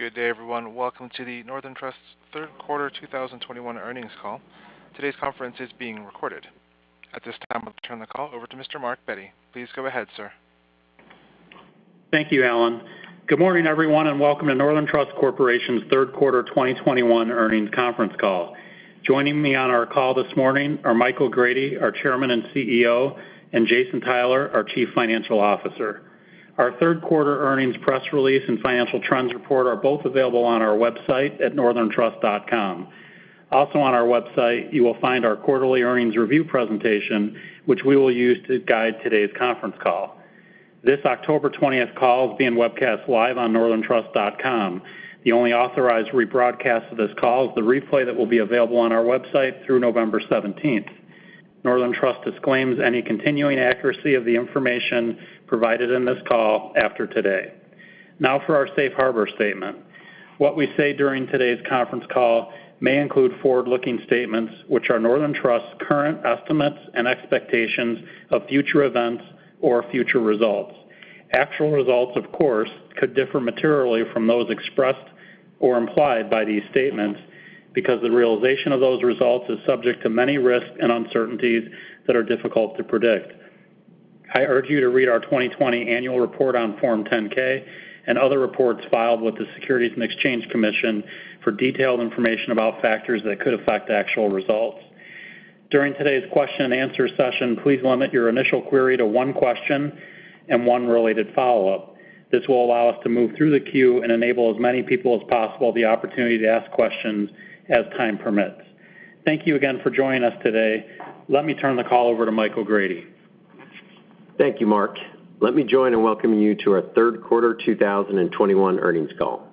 Good day, everyone. Welcome to the Northern Trust Third Quarter 2021 Earnings Call. Today's conference is being recorded. At this time, I'll turn the call over to Mr. Mark Bette. Please go ahead, sir. Thank you, Alan. Good morning, everyone, and welcome to Northern Trust Corporation's third quarter 2021 earnings conference call. Joining me on our call this morning are Michael O'Grady, our Chairman and CEO, and Jason Tyler, our Chief Financial Officer. Our third quarter earnings press release and financial trends report are both available on our website at northerntrust.com. Also on our website, you will find our quarterly earnings review presentation, which we will use to guide today's conference call. This October 20th call is being webcast live on northerntrust.com. The only authorized rebroadcast of this call is the replay that will be available on our website through November 17th. Northern Trust disclaims any continuing accuracy of the information provided in this call after today. Now for our safe harbor statement. What we say during today's conference call may include forward-looking statements, which are Northern Trust's current estimates and expectations of future events or future results. Actual results, of course, could differ materially from those expressed or implied by these statements because the realization of those results is subject to many risks and uncertainties that are difficult to predict. I urge you to read our 2020 annual report on Form 10-K and other reports filed with the Securities and Exchange Commission for detailed information about factors that could affect actual results. During today's question and answer session, please limit your initial query to one question and one related follow-up. This will allow us to move through the queue and enable as many people as possible the opportunity to ask questions as time permits. Thank you again for joining us today. Let me turn the call over to Michael O'Grady. Thank you, Mark. Let me join in welcoming you to our third quarter 2021 earnings call.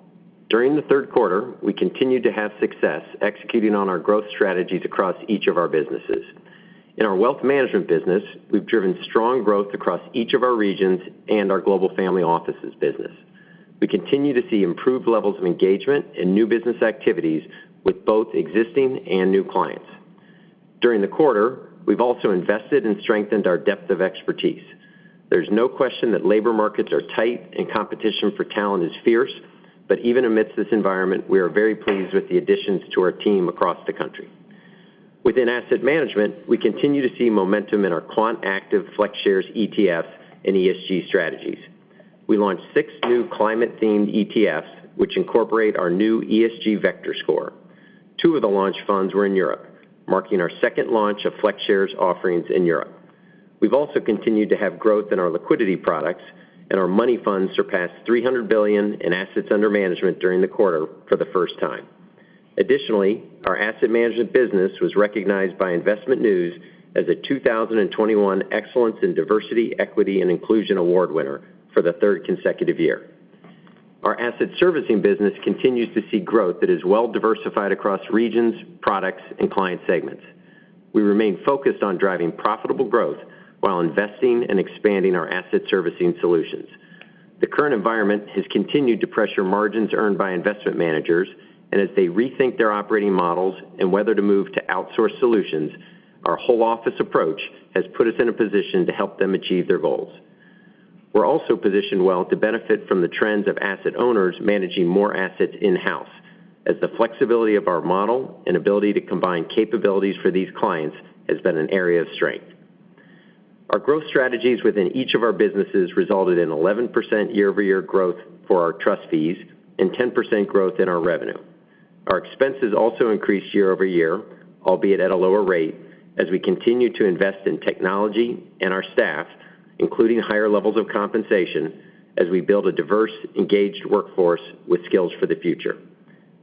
During the third quarter, we continued to have success executing on our growth strategies across each of our businesses. In our wealth management business, we've driven strong growth across each of our regions and our Global Family Office business. We continue to see improved levels of engagement and new business activities with both existing and new clients. During the quarter, we've also invested and strengthened our depth of expertise. There's no question that labor markets are tight and competition for talent is fierce. Even amidst this environment, we are very pleased with the additions to our team across the country. Within asset management, we continue to see momentum in our quant active FlexShares ETF and ESG strategies. We launched six new climate-themed ETFs, which incorporate our new ESG Vector Score. Two of the launch funds were in Europe, marking our second launch of FlexShares offerings in Europe. We've also continued to have growth in our liquidity products, and our money funds surpassed $300 billion in assets under management during the quarter for the first time. Additionally, our asset management business was recognized by Investment News as a 2021 Excellence in Diversity, Equity and Inclusion Award winner for the third consecutive year. Our asset servicing business continues to see growth that is well-diversified across regions, products, and client segments. We remain focused on driving profitable growth while investing and expanding our asset servicing solutions. The current environment has continued to pressure margins earned by investment managers, and as they rethink their operating models and whether to move to outsourced solutions, our Whole Office approach has put us in a position to help them achieve their goals. We're also positioned well to benefit from the trends of asset owners managing more assets in-house, as the flexibility of our model and ability to combine capabilities for these clients has been an area of strength. Our growth strategies within each of our businesses resulted in 11% year-over-year growth for our trust fees and 10% growth in our revenue. Our expenses also increased year-over-year, albeit at a lower rate, as we continue to invest in technology and our staff, including higher levels of compensation as we build a diverse, engaged workforce with skills for the future.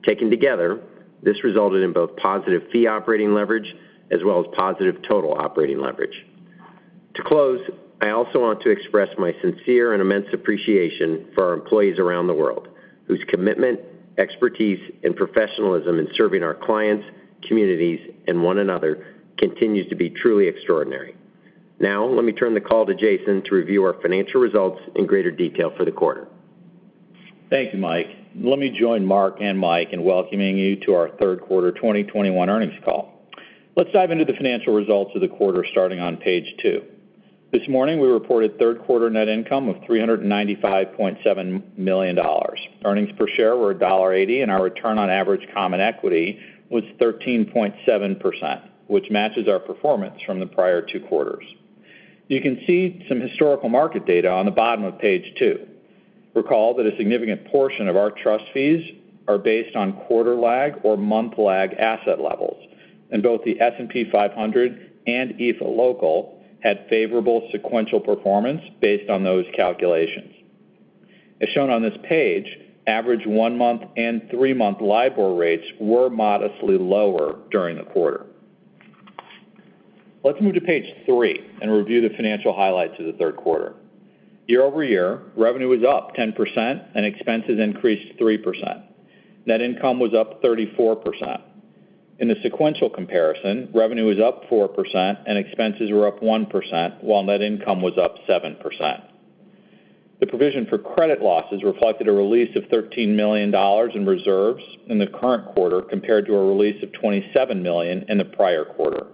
Taken together, this resulted in both positive fee operating leverage as well as positive total operating leverage. To close, I also want to express my sincere and immense appreciation for our employees around the world, whose commitment, expertise, and professionalism in serving our clients, communities, and one another continues to be truly extraordinary. Now, let me turn the call to Jason to review our financial results in greater detail for the quarter. Thank you, Mike. Let me join Mark and Mike in welcoming you to our third quarter 2021 earnings call. Let's dive into the financial results of the quarter starting on page two. This morning, we reported third quarter net income of $395.7 million. Earnings per share were $1.80, and our return on average common equity was 13.7%, which matches our performance from the prior two quarters. You can see some historical market data on the bottom of page two. Recall that a significant portion of our trust fees are based on quarter lag or month lag asset levels, and both the S&P 500 and EAFE Local had favorable sequential performance based on those calculations. As shown on this page, average one-month and three-month LIBOR rates were modestly lower during the quarter. Let's move to page three and review the financial highlights of the third quarter. Year-over-year, revenue was up 10% and expenses increased 3%. Net income was up 34%. In the sequential comparison, revenue was up 4% and expenses were up 1%, while net income was up 7%. The provision for credit losses reflected a release of $13 million in reserves in the current quarter compared to a release of $27 million in the prior quarter.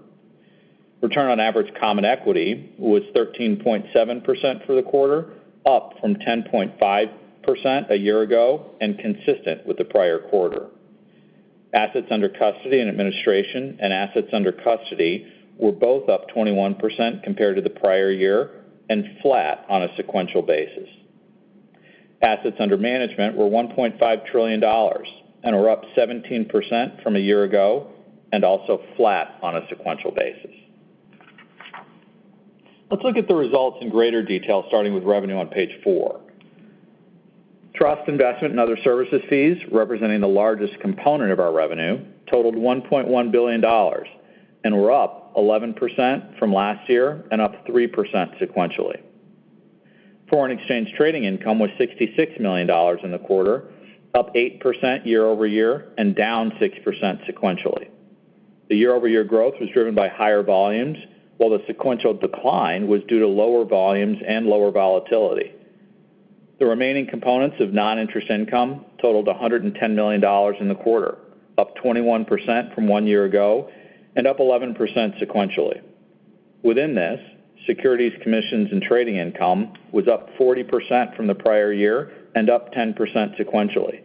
Return on average common equity was 13.7% for the quarter, up from 10.5% a year ago, and consistent with the prior quarter. Assets under custody and administration, and assets under custody were both up 21% compared to the prior year, and flat on a sequential basis. Assets under management were $1.5 trillion, and are up 17% from a year ago, and also flat on a sequential basis. Let's look at the results in greater detail, starting with revenue on page four. Trust, investment, and other services fees, representing the largest component of our revenue, totaled $1.1 billion, and were up 11% from last year, and up 3% sequentially. Foreign exchange trading income was $66 million in the quarter, up 8% year-over-year, and down 6% sequentially. The year-over-year growth was driven by higher volumes, while the sequential decline was due to lower volumes and lower volatility. The remaining components of non-interest income totaled $110 million in the quarter, up 21% from one year ago, and up 11% sequentially. Within this, securities commissions and trading income was up 40% from the prior year, and up 10% sequentially.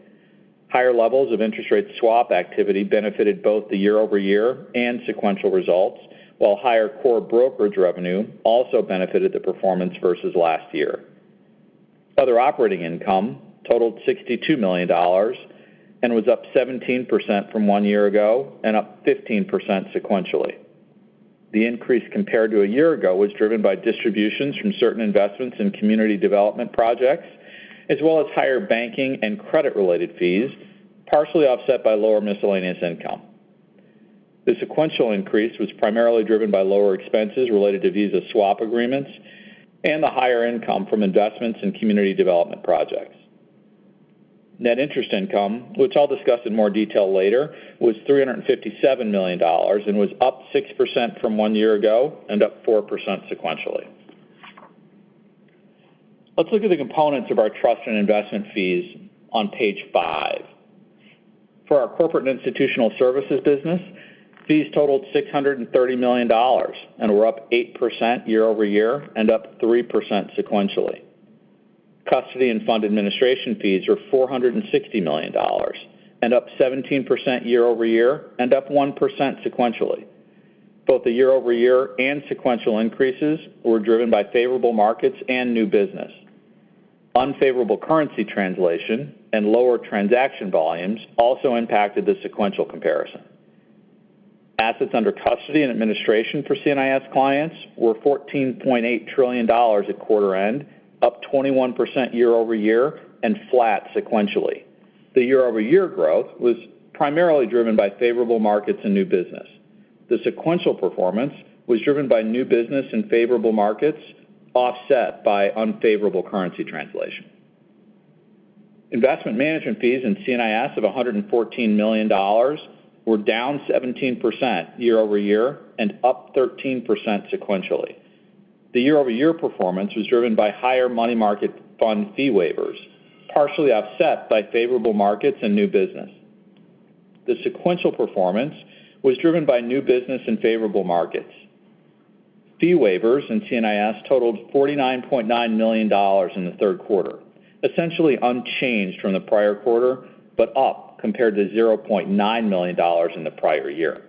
Higher levels of interest rate swap activity benefited both the year-over-year and sequential results, while higher core brokerage revenue also benefited the performance versus last year. Other operating income totaled $62 million and was up 17% from one year ago, and up 15% sequentially. The increase compared to a year ago was driven by distributions from certain investments in community development projects, as well as higher banking and credit-related fees, partially offset by lower miscellaneous income. The sequential increase was primarily driven by lower expenses related to Visa swap agreements and the higher income from investments in community development projects. Net interest income, which I'll discuss in more detail later, was $357 million, and was up 6% from one year ago, and up 4% sequentially. Let's look at the components of our trust and investment fees on page five. For our Corporate & Institutional Services business, fees totaled $630 million and were up 8% year-over-year, and up 3% sequentially. Custody and fund administration fees were $460 million, and up 17% year-over-year, and up 1% sequentially. Both the year-over-year and sequential increases were driven by favorable markets and new business. Unfavorable currency translation and lower transaction volumes also impacted the sequential comparison. Assets under custody and administration for C&IS clients were $14.8 trillion at quarter end, up 21% year-over-year, and flat sequentially. The year-over-year growth was primarily driven by favorable markets and new business. The sequential performance was driven by new business and favorable markets, offset by unfavorable currency translation. Investment management fees in C&IS of $114 million were down 17% year-over-year, and up 13% sequentially. The year-over-year performance was driven by higher money market fund fee waivers, partially offset by favorable markets and new business. The sequential performance was driven by new business and favorable markets. Fee waivers in C&IS totaled $49.9 million in the third quarter, essentially unchanged from the prior quarter, but up compared to $0.9 million in the prior year.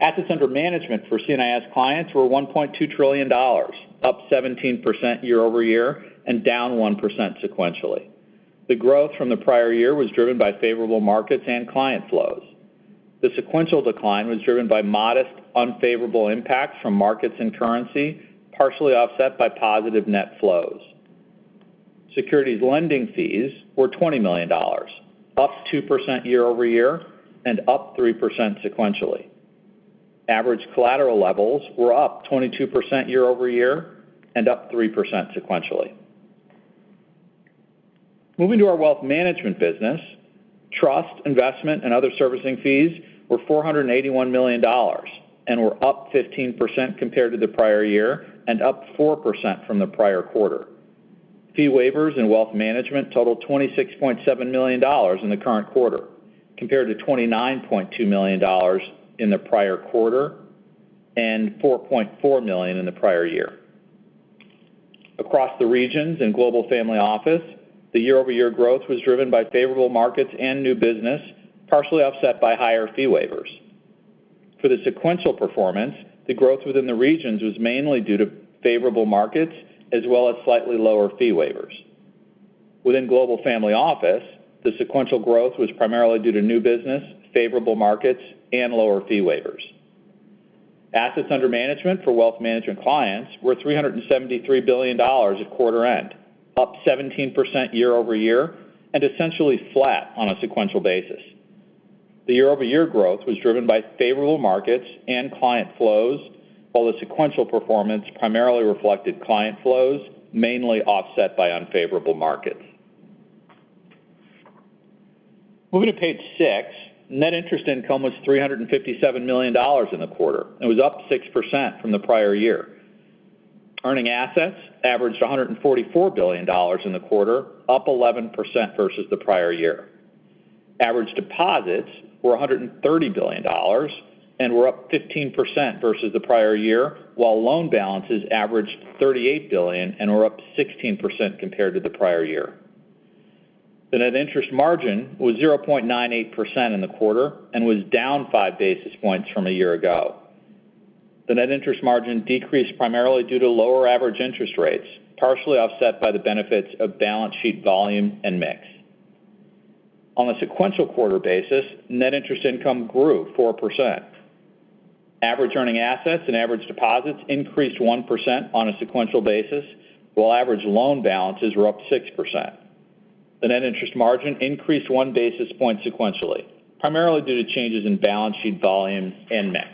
Assets under management for C&IS clients were $1.2 trillion, up 17% year-over-year, and down 1% sequentially. The growth from the prior year was driven by favorable markets and client flows. The sequential decline was driven by modest unfavorable impacts from markets and currency, partially offset by positive net flows. Securities lending fees were $20 million, up 2% year-over-year, and up 3% sequentially. Average collateral levels were up 22% year-over-year, and up 3% sequentially. Moving to our wealth management business, trust, investment, and other servicing fees were $481 million and were up 15% compared to the prior year, and up 4% from the prior quarter. Fee waivers in wealth management totaled $26.7 million in the current quarter, compared to $29.2 million in the prior quarter, and $4.4 million in the prior year. Across the regions in Global Family Office, the year-over-year growth was driven by favorable markets and new business, partially offset by higher fee waivers. For the sequential performance, the growth within the regions was mainly due to favorable markets, as well as slightly lower fee waivers. Within Global Family Office, the sequential growth was primarily due to new business, favorable markets, and lower fee waivers. Assets under management for wealth management clients were $373 billion at quarter end, up 17% year-over-year, and essentially flat on a sequential basis. The year-over-year growth was driven by favorable markets and client flows, while the sequential performance primarily reflected client flows, mainly offset by unfavorable markets. Moving to page six. Net interest income was $357 million in the quarter and was up 6% from the prior year. Earning assets averaged $144 billion in the quarter, up 11% versus the prior year. Average deposits were $130 billion and were up 15% versus the prior year, while loan balances averaged $38 billion and were up 16% compared to the prior year. The net interest margin was 0.98% in the quarter and was down 5 basis points from a year ago. The net interest margin decreased primarily due to lower average interest rates, partially offset by the benefits of balance sheet volume and mix. On a sequential quarter basis, net interest income grew 4%. Average earning assets and average deposits increased 1% on a sequential basis, while average loan balances were up 6%. The net interest margin increased 1 basis point sequentially, primarily due to changes in balance sheet volume and mix.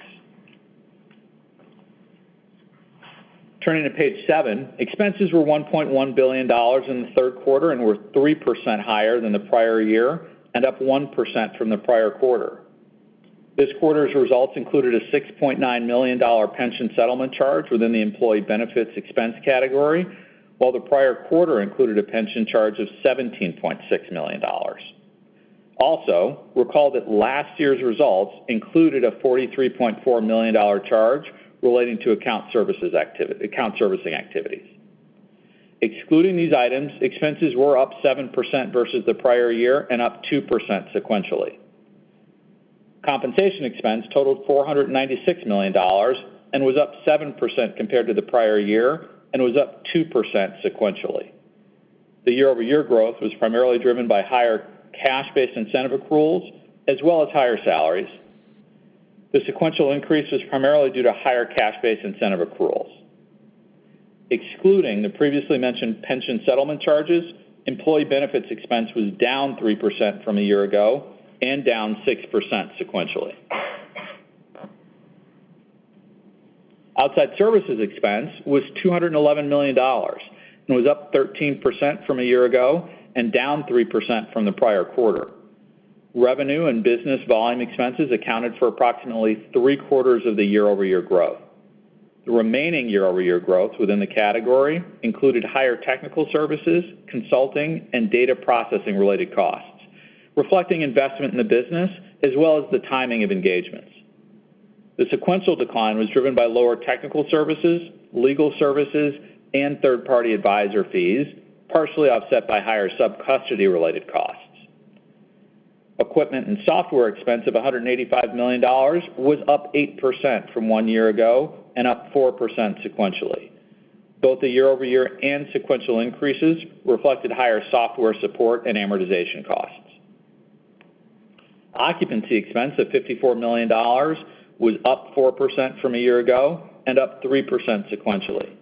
Turning to page seven, expenses were $1.1 billion in the third quarter and were 3% higher than the prior year and 1% up from the prior quarter. This quarter's results included a $6.9 million pension settlement charge within the employee benefits expense category, while the prior quarter included a pension charge of $17.6 million. Also, recall that last year's results included a $43.4 million charge relating to account servicing activities. Excluding these items, expenses were up 7% versus the prior year and up 2% sequentially. Compensation expense totaled $496 million and was up 7% compared to the prior year and was up 2% sequentially. The year-over-year growth was primarily driven by higher cash-based incentive accruals, as well as higher salaries. The sequential increase was primarily due to higher cash-based incentive accruals. Excluding the previously mentioned pension settlement charges, employee benefits expense was down 3% from a year ago and down 6% sequentially. Outside services expense was $211 million and was up 13% from a year ago and down 3% from the prior quarter. Revenue and business volume expenses accounted for approximately three-quarters of the year-over-year growth. The remaining year-over-year growth within the category included higher technical services, consulting, and data processing-related costs, reflecting investment in the business as well as the timing of engagements. The sequential decline was driven by lower technical services, legal services, and third-party advisor fees, partially offset by higher sub-custody related costs. Equipment and software expense of $185 million was up 8% from one year ago and up 4% sequentially. Both the year-over-year and sequential increases reflected higher software support and amortization costs. Occupancy expense of $54 million was up 4% from a year ago and up 3% sequentially.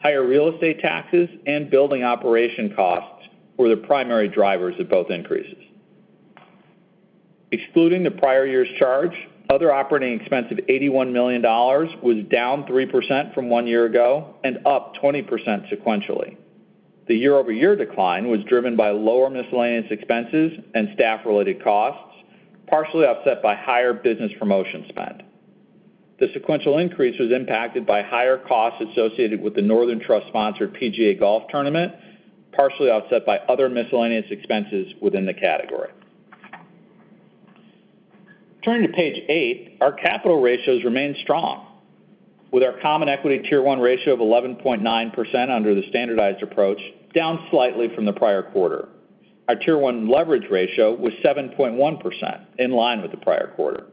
Higher real estate taxes and building operation costs were the primary drivers of both increases. Excluding the prior year's charge, other operating expense of $81 million was down 3% from one year ago and up 20% sequentially. The year-over-year decline was driven by lower miscellaneous expenses and staff-related costs, partially offset by higher business promotion spend. The sequential increase was impacted by higher costs associated with the Northern Trust-sponsored PGA golf tournament, partially offset by other miscellaneous expenses within the category. Turning to page eight, our capital ratios remain strong, with our common equity tier 1 ratio of 11.9% under the standardized approach down slightly from the prior quarter. Our tier 1 leverage ratio was 7.1%, in line with the prior quarter.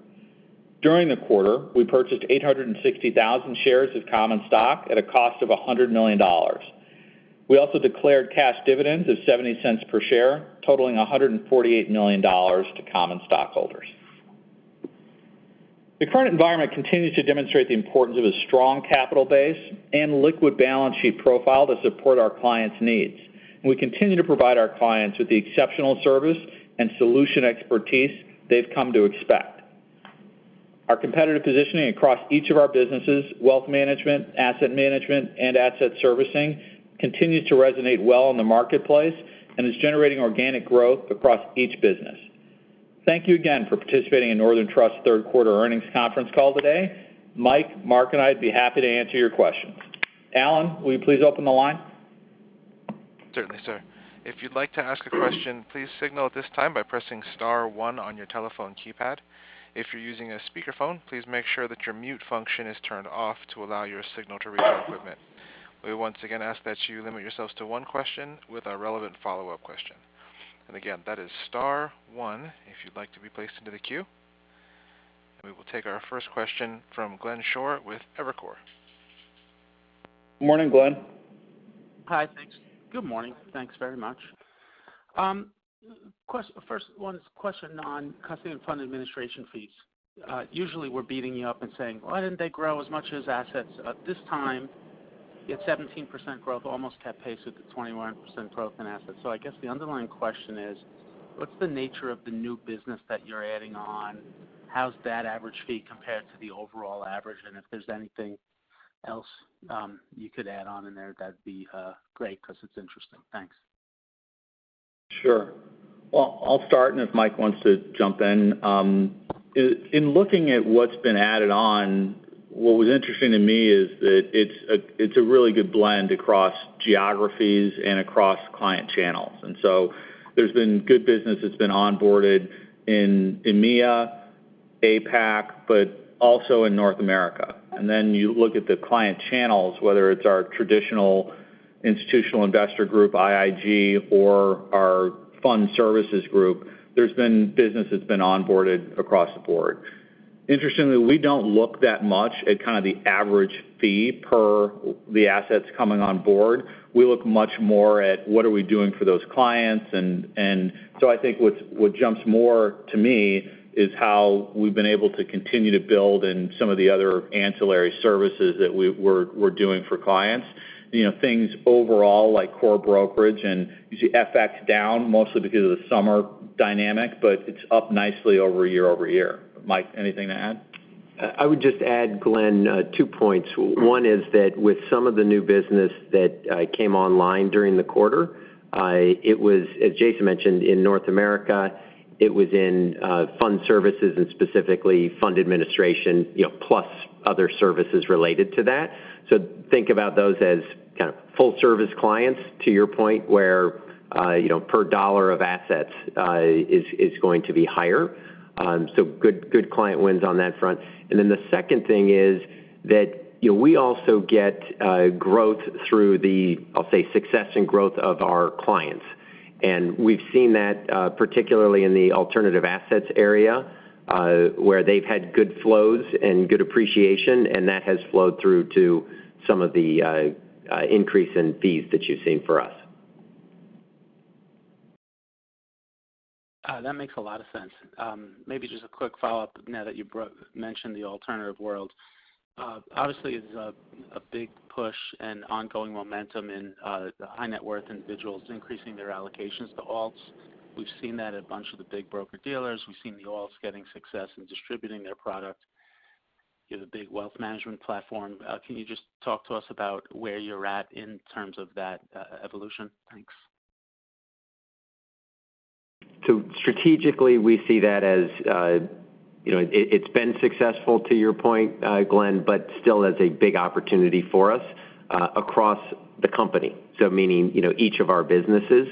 During the quarter, we purchased 860,000 shares of common stock at a cost of $100 million. We also declared cash dividends of $0.70 per share, totaling $148 million to common stockholders. The current environment continues to demonstrate the importance of a strong capital base and liquid balance sheet profile to support our clients' needs. We continue to provide our clients with the exceptional service and solution expertise they've come to expect. Our competitive positioning across each of our businesses, wealth management, asset management, and asset servicing, continues to resonate well in the marketplace and is generating organic growth across each business. Thank you again for participating in Northern Trust's third quarter earnings conference call today. Mike, Mark, and I'd be happy to answer your questions. Alan, will you please open the line? Certainly, sir. If you'd like to ask a question, please signal at this time by pressing star one on your telephone keypad. If you're using a speakerphone, please make sure that your mute function is turned off to allow your signal to reach our equipment. We once again ask that you limit yourselves to one question with a relevant follow-up question. Again, that is star one if you'd like to be placed into the queue. We will take our first question from Glenn Schorr with Evercore. Morning, Glenn. Hi. Thanks. Good morning. Thanks very much. First one is a question on custody and fund administration fees. Usually we're beating you up and saying, "Why didn't they grow as much as assets?" This time, you had 17% growth, almost kept pace with the 21% growth in assets. I guess the underlying question is, what's the nature of the new business that you're adding on? How's that average fee compared to the overall average? If there's anything else you could add on in there, that'd be great because it's interesting. Thanks. Sure. Well, I'll start, and if Mike wants to jump in. In looking at what's been added on, what was interesting to me is that it's a really good blend across geographies and across client channels. There's been good business that's been onboarded in EMEA, APAC, but also in North America. You look at the client channels, whether it's our traditional Institutional Investor Group, IIG, or our fund services group, there's been business that's been onboarded across the board. Interestingly, we don't look that much at kind of the average fee per the assets coming on board. We look much more at what are we doing for those clients. I think what jumps more to me is how we've been able to continue to build in some of the other ancillary services that we're doing for clients. Things overall, like core brokerage, and you see FX down mostly because of the summer dynamic, but it's up nicely over year-over-year. Mike, anything to add? I would just add, Glenn, two points. One, is that with some of the new business that came online during the quarter, it was, as Jason mentioned, in North America, it was in fund services and specifically fund administration, plus other services related to that. Think about those as kind of full-service clients, to your point, where per dollar of assets is going to be higher. Good client wins on that front. The second thing is that we also get growth through the, I'll say, success and growth of our clients. We've seen that particularly in the alternative assets area, where they've had good flows and good appreciation, and that has flowed through to some of the increase in fees that you've seen for us. That makes a lot of sense. Just a quick follow-up now that you mentioned the alternative world. Obviously, it's a big push and ongoing momentum in the high net worth individuals increasing their allocations to alts. We've seen that a bunch of the big broker-dealers, we've seen the alts getting success in distributing their product. You have a big wealth management platform. Can you just talk to us about where you're at in terms of that evolution? Thanks. Strategically, we see that as, it's been successful, to your point, Glenn, but still as a big opportunity for us across the company, meaning, each of our businesses.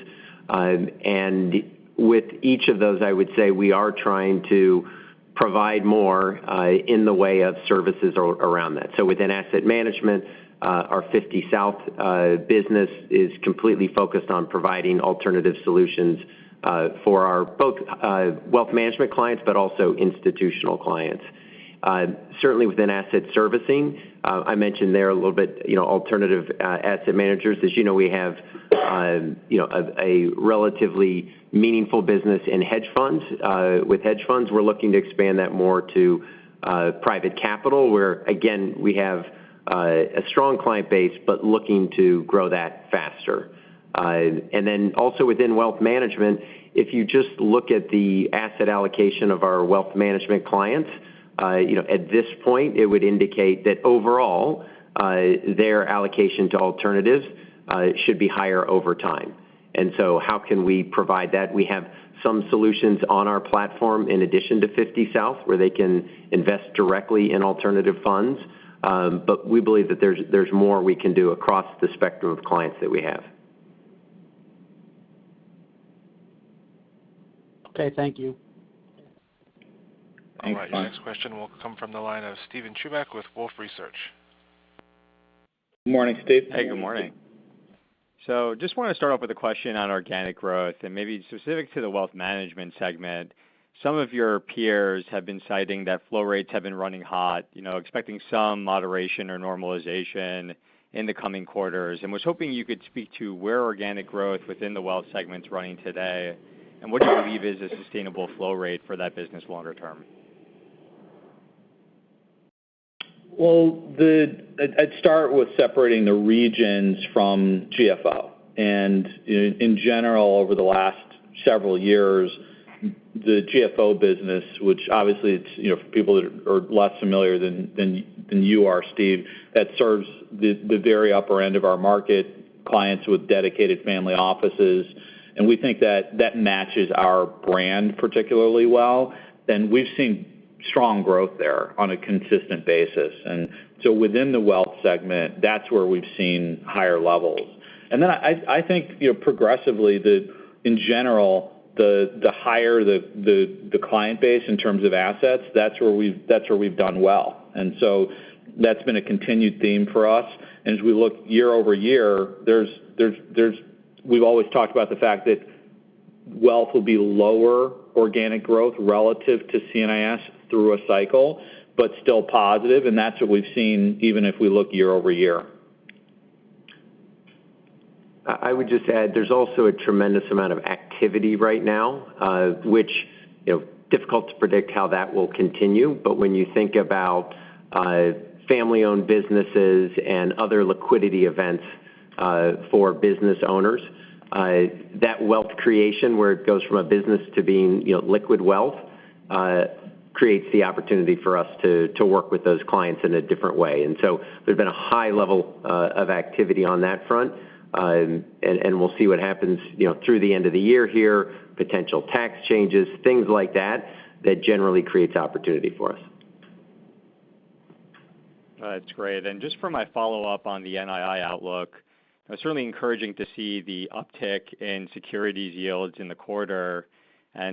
With each of those, I would say we are trying to provide more in the way of services around that. Within asset management, our 50 South business is completely focused on providing alternative solutions for our both wealth management clients, but also institutional clients. Certainly within asset servicing, I mentioned there a little bit, alternative asset managers. As you know, we have a relatively meaningful business in hedge funds. With hedge funds, we're looking to expand that more to private capital, where again, we have a strong client base but looking to grow that faster. Also within wealth management, if you just look at the asset allocation of our wealth management clients, at this point, it would indicate that overall, their allocation to alternatives should be higher over time. How can we provide that? We have some solutions on our platform in addition to 50 South, where they can invest directly in alternative funds. We believe that there's more we can do across the spectrum of clients that we have. Okay, thank you. Thanks, Glenn. All right. Your next question will come from the line of Steven Chubak with Wolfe Research. Morning, Steve. Hey, good morning. Just want to start off with a question on organic growth and maybe specific to the wealth management segment. Some of your peers have been citing that flow rates have been running hot, expecting some moderation or normalization in the coming quarters, and was hoping you could speak to where organic growth within the wealth segment is running today, and what do you believe is a sustainable flow rate for that business longer term? Well, I'd start with separating the regions from GFO. In general, over the last several years, the GFO business, which obviously it's, for people that are less familiar than you are, Steven, that serves the very upper end of our market, clients with dedicated family offices, we think that matches our brand particularly well, we've seen strong growth there on a consistent basis. Within the wealth segment, that's where we've seen higher levels. I think progressively, in general, the higher the client base in terms of assets, that's where we've done well. That's been a continued theme for us. As we look year-over-year, we've always talked about the fact that wealth will be lower organic growth relative to C&IS through a cycle, but still positive, that's what we've seen even if we look year-over-year. I would just add, there's also a tremendous amount of activity right now, which difficult to predict how that will continue. When you think about family-owned businesses and other liquidity events for business owners, that wealth creation where it goes from a business to being liquid wealth creates the opportunity for us to work with those clients in a different way. There's been a high level of activity on that front. We'll see what happens through the end of the year here, potential tax changes, things like that generally creates opportunity for us. That's great. Just for my follow-up on the NII outlook, certainly encouraging to see the uptick in securities yields in the quarter.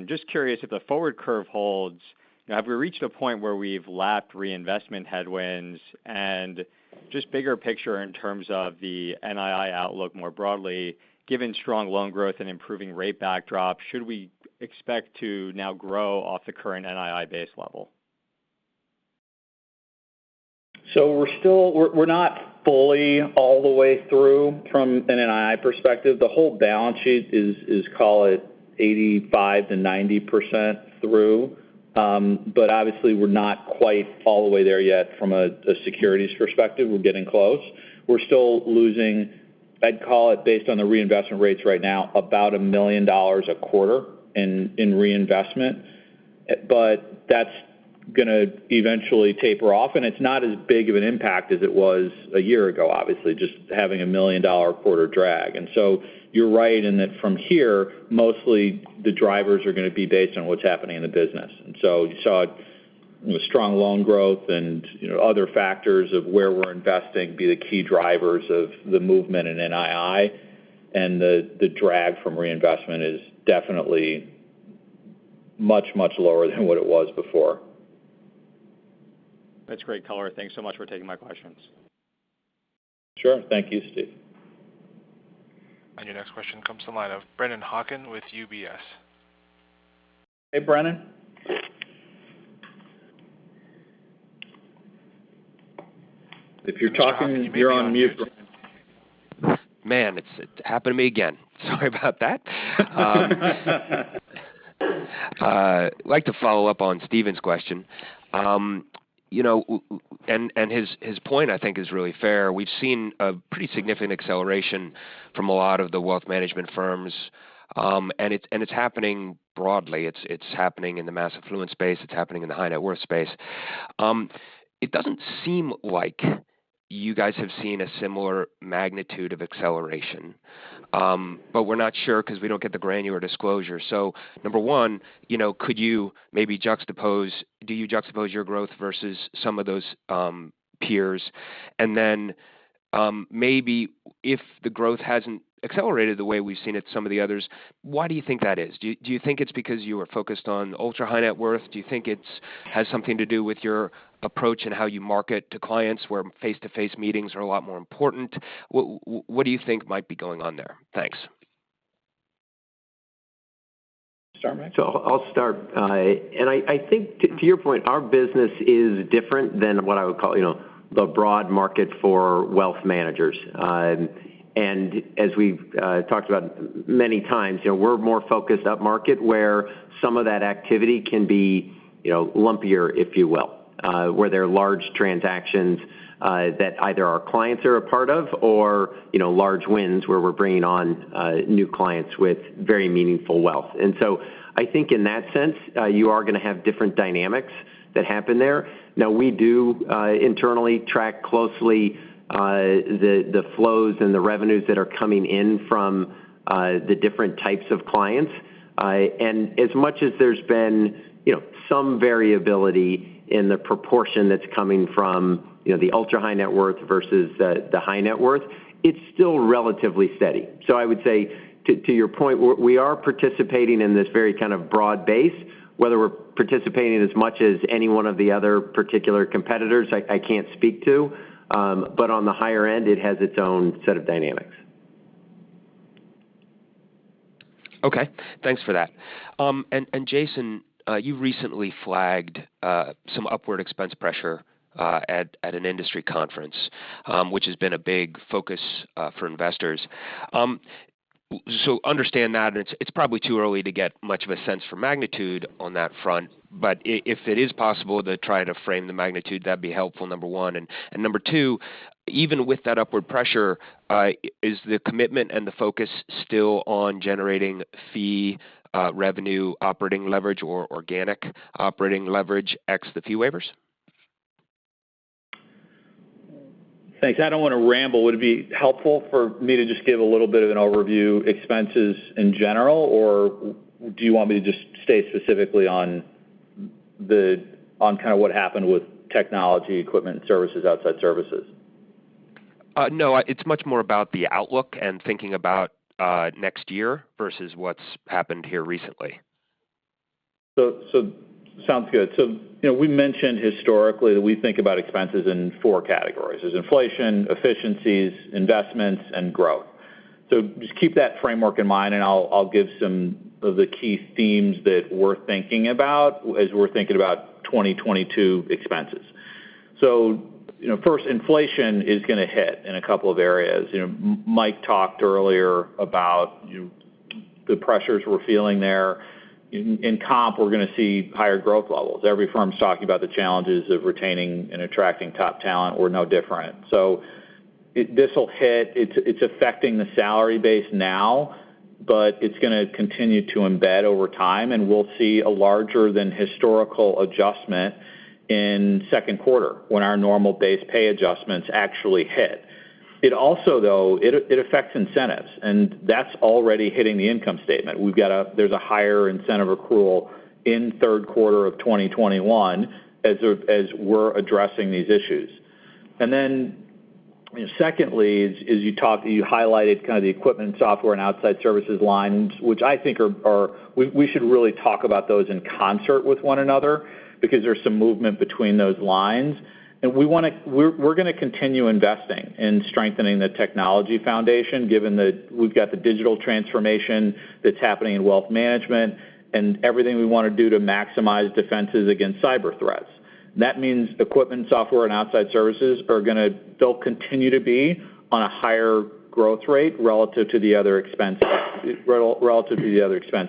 Just curious if the forward curve holds, have we reached a point where we've lapped reinvestment headwinds? Just bigger picture in terms of the NII outlook more broadly, given strong loan growth and improving rate backdrop, should we expect to now grow off the current NII base level? We're not fully all the way through from an NII perspective. The whole balance sheet is call it 85%-90% through. Obviously, we're not quite all the way there yet from a securities perspective. We're getting close. We're still losing, I'd call it based on the reinvestment rates right now, about a million dollars a quarter in reinvestment. That's going to eventually taper off, and it's not as big of an impact as it was a year ago, obviously, just having a million-dollar quarter drag. You're right in that from here, mostly the drivers are going to be based on what's happening in the business. You saw strong loan growth and other factors of where we're investing be the key drivers of the movement in NII. The drag from reinvestment is definitely much, much lower than what it was before. That's great color. Thanks so much for taking my questions. Sure. Thank you, Steven. Your next question comes to the line of Brennan Hawken with UBS. Hey, Brennan. If you're talking, you're on mute, Brennan. Man, it's happened to me again. Sorry about that. I'd like to follow up on Steven's question. His point, I think, is really fair. We've seen a pretty significant acceleration from a lot of the wealth management firms. It's happening broadly. It's happening in the mass affluent space. It's happening in the high net worth space. It doesn't seem like you guys have seen a similar magnitude of acceleration. We're not sure because we don't get the granular disclosure. Number one, do you juxtapose your growth versus some of those peers? Maybe if the growth hasn't accelerated the way we've seen it, some of the others, why do you think that is? Do you think it's because you are focused on ultra high net worth? Do you think it has something to do with your approach and how you market to clients where face-to-face meetings are a lot more important? What do you think might be going on there? Thanks. Start, Mike. I'll start. I think to your point, our business is different than what I would call the broad market for wealth managers. As we've talked about many times, we're more focused up market where some of that activity can be lumpier, if you will, where there are large transactions that either our clients are a part of or large wins where we're bringing on new clients with very meaningful wealth. I think in that sense, you are going to have different dynamics that happen there. Now we do internally track closely the flows and the revenues that are coming in from the different types of clients. As much as there's been some variability in the proportion that's coming from the ultra high net worth versus the high net worth, it's still relatively steady. I would say to your point, we are participating in this very kind of broad base. Whether we're participating as much as any one of the other particular competitors, I can't speak to. On the higher end, it has its own set of dynamics. Okay. Thanks for that. Jason, you recently flagged some upward expense pressure at an industry conference which has been a big focus for investors. Understand that it's probably too early to get much of a sense for magnitude on that front. If it is possible to try to frame the magnitude, that'd be helpful, number one. Number two, even with that upward pressure, is the commitment and the focus still on generating fee revenue operating leverage or organic operating leverage, ex the fee waivers? Thanks. I don't want to ramble. Would it be helpful for me to just give a little bit of an overview expenses in general, or do you want me to just stay specifically on kind of what happened with technology, equipment, and services, outside services? No, it's much more about the outlook and thinking about next year versus what's happened here recently. Sounds good. We mentioned historically that we think about expenses in four categories. There's, inflation, efficiencies, investments, and growth. Just keep that framework in mind and I'll give some of the key themes that we're thinking about as we're thinking about 2022 expenses. First, inflation is going to hit in two areas. Mike talked earlier about the pressures we're feeling there. In comp, we're going to see higher growth levels. Every firm's talking about the challenges of retaining and attracting top talent. We're no different. This'll hit. It's affecting the salary base now, but it's going to continue to embed over time, and we'll see a larger than historical adjustment in second quarter when our normal base pay adjustments actually hit. It also, though, it affects incentives, and that's already hitting the income statement. There's a higher incentive accrual in third quarter of 2021 as we're addressing these issues. Secondly is you highlighted kind of the equipment, software, and outside services lines, which I think we should really talk about those in concert with one another because there's some movement between those lines. We're going to continue investing in strengthening the technology foundation given that we've got the digital transformation that's happening in wealth management and everything we want to do to maximize defenses against cyber threats. That means equipment, software, and outside services are going to still continue to be on a higher growth rate relative to the other expense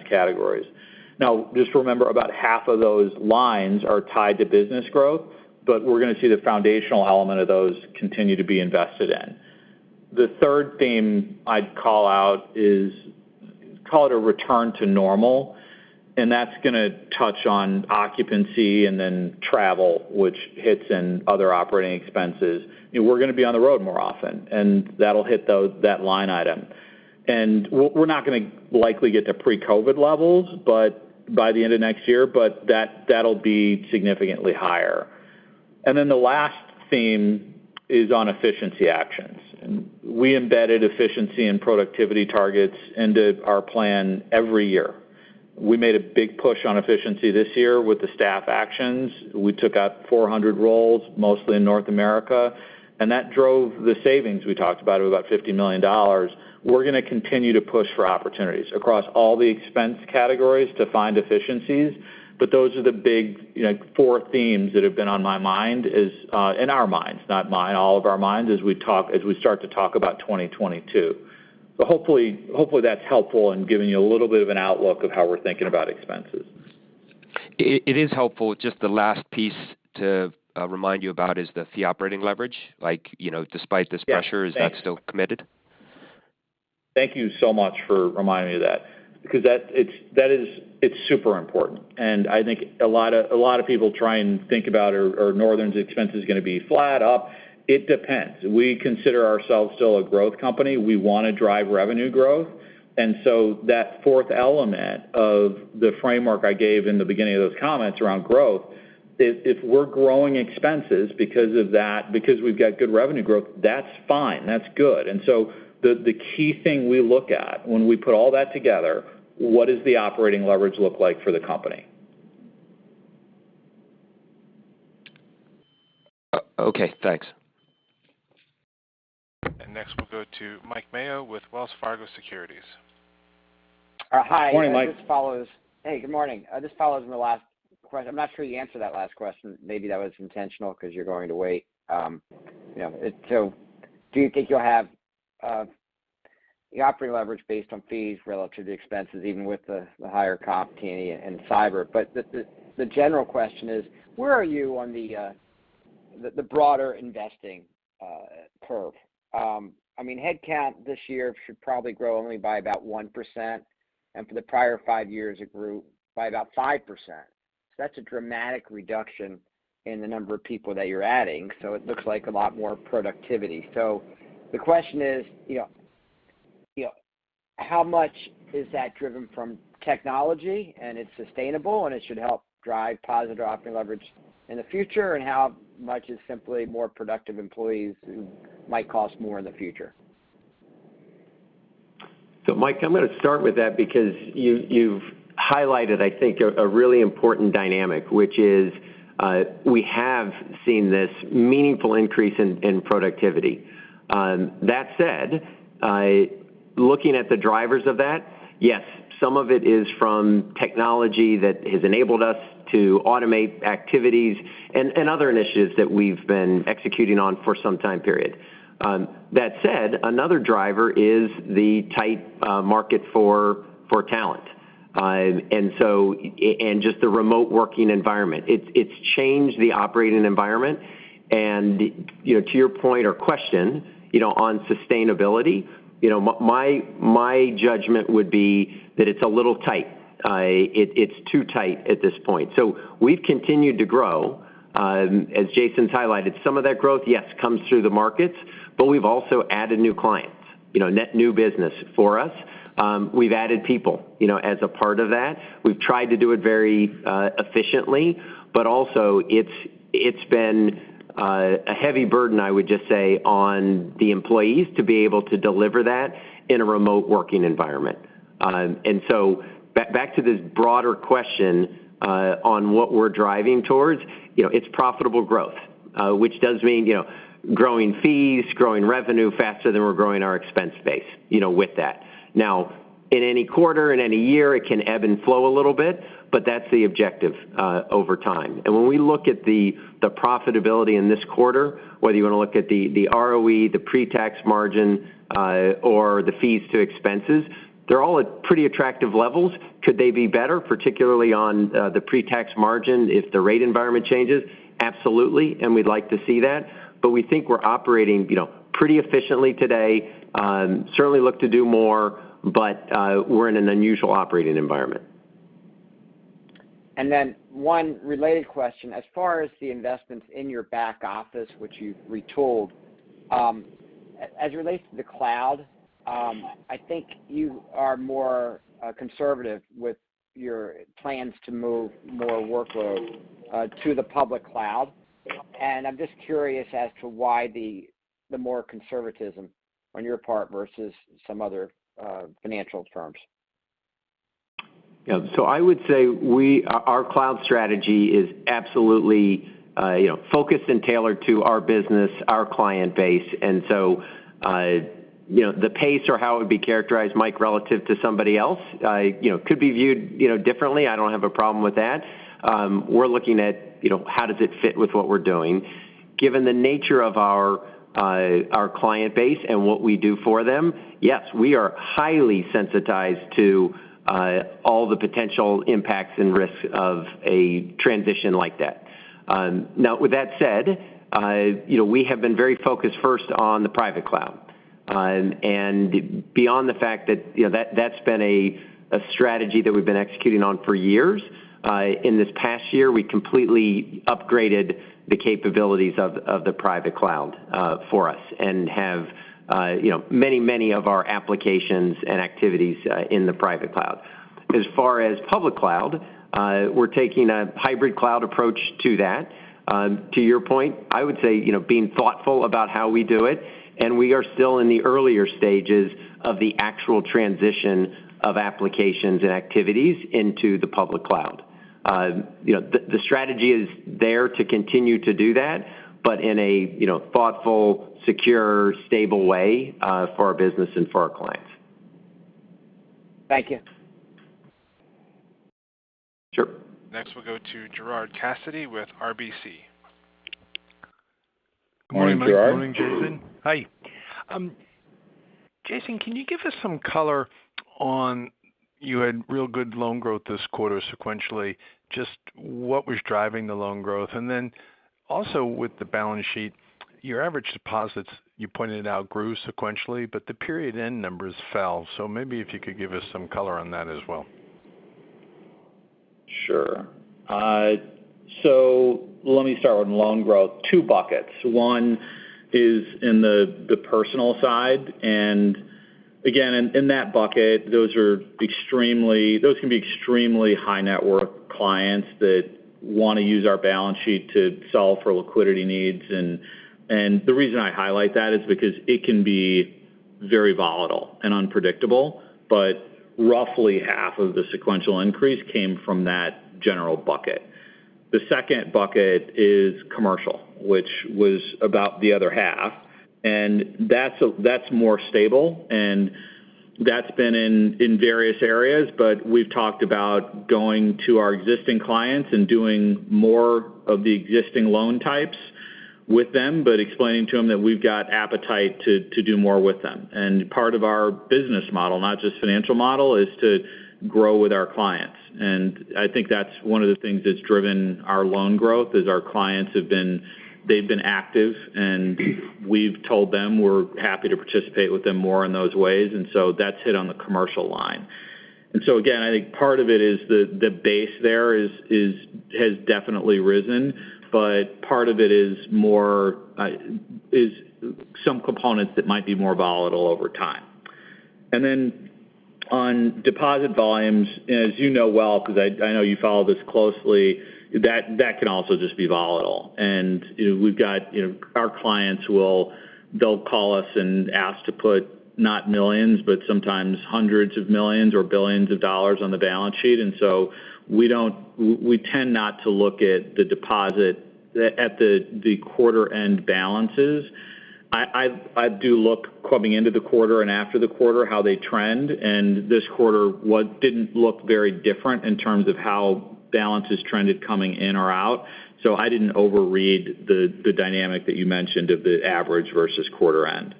categories. Now, just remember, about half of those lines are tied to business growth, but we're going to see the foundational element of those continue to be invested in. The third theme I'd call out is, call it a return to normal, and that's going to touch on occupancy and then travel, which hits in other operating expenses. We're going to be on the road more often, and that'll hit that line item. We're not going to likely get to pre-COVID levels by the end of next year, but that'll be significantly higher. The last theme is on efficiency actions. We embedded efficiency and productivity targets into our plan every year. We made a big push on efficiency this year with the staff actions. We took out 400 roles, mostly in North America. That drove the savings we talked about of about $50 million. We're going to continue to push for opportunities across all the expense categories to find efficiencies. Those are the big four themes that have been on my mind, in our minds, not mine, all of our minds, as we start to talk about 2022. Hopefully that's helpful in giving you a little bit of an outlook of how we're thinking about expenses. It is helpful. Just the last piece to remind you about is the fee operating leverage. Yes, thanks. is that still committed? Thank you so much for reminding me of that because it's super important, and I think a lot of people try and think about, are Northern's expenses going to be flat, up? It depends. We consider ourselves still a growth company. We want to drive revenue growth. That fourth element of the framework I gave in the beginning of those comments around growth is if we're growing expenses because of that, because we've got good revenue growth, that's fine. That's good. The key thing we look at when we put all that together, what does the operating leverage look like for the company? Okay, thanks. Next, we'll go to Mike Mayo with Wells Fargo Securities. Morning, Mike. Hey, good morning. This follows from the last question. I'm not sure you answered that last question. Maybe that was intentional because you're going to wait. Do you think you'll have the operating leverage based on fees relative to expenses, even with the higher comp, T&E, and cyber? The general question is, where are you on the broader investing curve? Headcount this year should probably grow only by about 1%, and for the prior five years, it grew by about 5%. That's a dramatic reduction in the number of people that you're adding. It looks like a lot more productivity. The question is, how much is that driven from technology, and it's sustainable, and it should help drive positive operating leverage in the future, and how much is simply more productive employees who might cost more in the future? Mike, I'm going to start with that because you've highlighted, I think, a really important dynamic, which is we have seen this meaningful increase in productivity. Looking at the drivers of that, yes, some of it is from technology that has enabled us to automate activities and other initiatives that we've been executing on for some time period. Another driver is the tight market for talent and just the remote working environment. It's changed the operating environment. To your point or question on sustainability, my judgment would be that it's a little tight. It's too tight at this point. We've continued to grow. As Jason's highlighted, some of that growth, yes, comes through the markets, but we've also added new clients, net new business for us. We've added people as a part of that. We've tried to do it very efficiently, but also it's been a heavy burden, I would just say, on the employees to be able to deliver that in a remote working environment. Back to this broader question on what we're driving towards, it's profitable growth, which does mean growing fees, growing revenue faster than we're growing our expense base with that. Now, in any quarter, in any year, it can ebb and flow a little bit, but that's the objective over time. When we look at the profitability in this quarter, whether you want to look at the ROE, the pre-tax margin, or the fees to expenses, they're all at pretty attractive levels. Could they be better, particularly on the pre-tax margin if the rate environment changes? Absolutely, and we'd like to see that. We think we're operating pretty efficiently today. Certainly look to do more, but we're in an unusual operating environment. One related question. As far as the investments in your back office, which you've retooled, as it relates to the cloud, I think you are more conservative with your plans to move more workload to the public cloud. I'm just curious as to why the more conservatism on your part versus some other financial firms. I would say our cloud strategy is absolutely focused and tailored to our business, our client base. The pace or how it would be characterized, Mike, relative to somebody else could be viewed differently. I don't have a problem with that. We're looking at how does it fit with what we're doing. Given the nature of our client base and what we do for them, yes, we are highly sensitized to all the potential impacts and risks of a transition like that. With that said, we have been very focused first on the private cloud. Beyond the fact that that's been a strategy that we've been executing on for years, in this past year, we completely upgraded the capabilities of the private cloud for us and have many of our applications and activities in the private cloud. As far as public cloud, we're taking a hybrid cloud approach to that. To your point, I would say, being thoughtful about how we do it, and we are still in the earlier stages of the actual transition of applications and activities into the public cloud. The strategy is there to continue to do that, but in a thoughtful, secure, stable way for our business and for our clients. Thank you. Sure. Next, we'll go to Gerard Cassidy with RBC. Morning, Gerard. Good morning, Jason. Hi. Jason, can you give us some color on, you had real good loan growth this quarter sequentially, just what was driving the loan growth? Also with the balance sheet, your average deposits, you pointed out, grew sequentially, but the period end numbers fell. Maybe if you could give us some color on that as well. Sure. Let me start with loan growth. Two buckets. One is in the personal side, and again, in that bucket, those can be extremely high-net-worth clients that want to use our balance sheet to solve for liquidity needs. The reason I highlight that is because it can be very volatile and unpredictable, but roughly half of the sequential increase came from that general bucket. The second bucket is commercial, which was about the other half, and that's more stable, and that's been in various areas. We've talked about going to our existing clients and doing more of the existing loan types with them but explaining to them that we've got appetite to do more with them. Part of our business model, not just financial model, is to grow with our clients. I think that's one of the things that's driven our loan growth, is our clients have been active, and we've told them we're happy to participate with them more in those ways. That's hit on the commercial line. Again, I think part of it is the base there has definitely risen, but part of it is some components that might be more volatile over time. Then on deposit volumes, as you know well, because I know you follow this closely, that can also just be volatile. Our clients will call us and ask to put not millions, but sometimes hundreds of millions or billions of dollars on the balance sheet. We tend not to look at the deposit at the quarter-end balances. I do look coming into the quarter and after the quarter, how they trend, and this quarter, what didn't look very different in terms of how balances trended coming in or out. I didn't overread the dynamic that you mentioned of the average versus quarter end.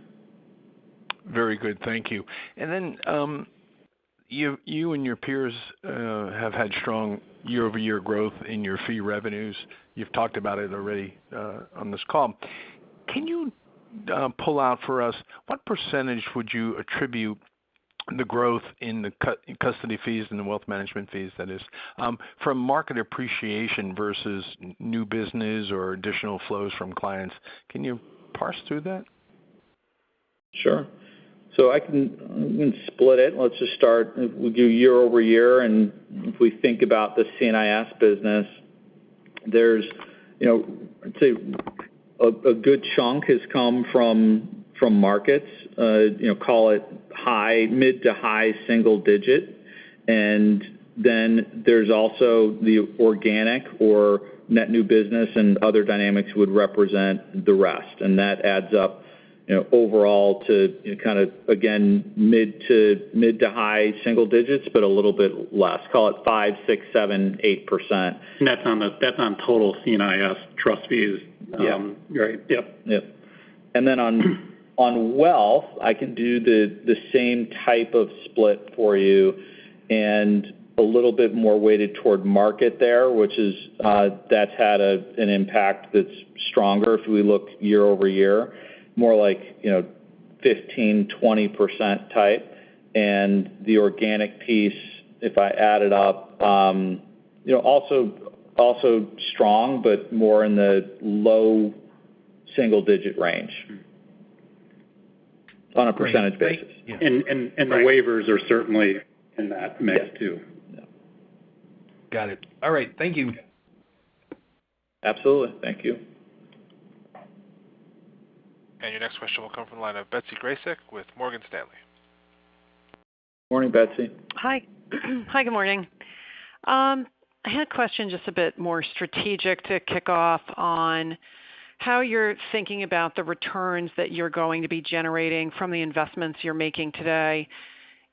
Very good. Thank you. You and your peers have had strong year-over-year growth in your fee revenues. You've talked about it already on this call. Can you pull out for us, what percentage would you attribute the growth in the custody fees and the wealth management fees that is, from market appreciation versus new business or additional flows from clients? Can you parse through that? Sure. I can split it. Let's just start. We'll do year-over-year. If we think about the C&IS business, there's a good chunk has come from markets, call it mid to high single digits. There's also the organic or net new business and other dynamics would represent the rest. That adds up overall to, again, mid to high single digits, but a little bit less. Call it 5%, 6%, 7%, 8%. That's on total C&IS trust fees. Yeah. Right. Yep. On wealth, I can do the same type of split for you and a little bit more weighted toward market there, which that's had an impact that's stronger if we look year-over-year, more like 15%-20% type. The organic piece, if I add it up, also strong, but more in the low single-digit range. On a percentage basis. Yeah.The waivers are certainly in that mix too. Yeah. Got it. All right. Thank you. Absolutely. Thank you. Your next question will come from the line of Betsy Graseck with Morgan Stanley. Morning, Betsy. Hi. Hi. Good morning. I had a question just a bit more strategic to kick off on how you're thinking about the returns that you're going to be generating from the investments you're making today,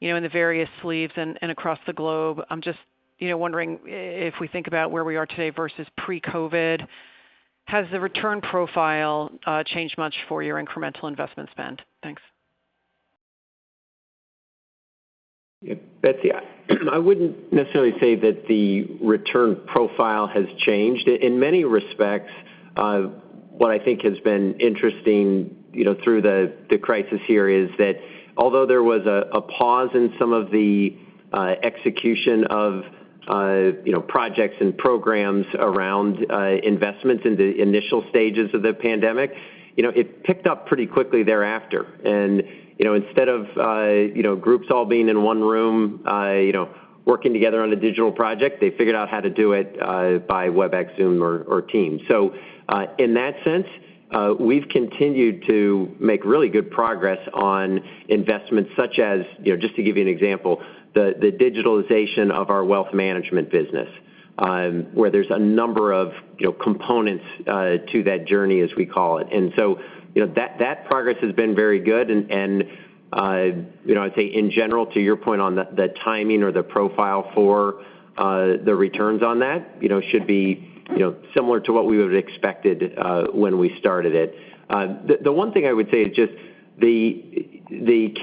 in the various sleeves and across the globe. I'm just wondering if we think about where we are today versus pre-COVID, has the return profile changed much for your incremental investment spend? Thanks. Yeah, Betsy, I wouldn't necessarily say that the return profile has changed. In many respects, what I think has been interesting through the crisis here is that although there was a pause in some of the execution of projects and programs around investments in the initial stages of the pandemic, it picked up pretty quickly thereafter. Instead of groups all being in one room, working together on a digital project, they figured out how to do it by Webex, Zoom, or Teams. In that sense, we've continued to make really good progress on investments such as, just to give you an example, the digitalization of our wealth management business, where there's a number of components to that journey, as we call it. That progress has been very good and I'd say in general, to your point on the timing or the profile for the returns on that, should be similar to what we would've expected when we started it. The one thing I would say is just the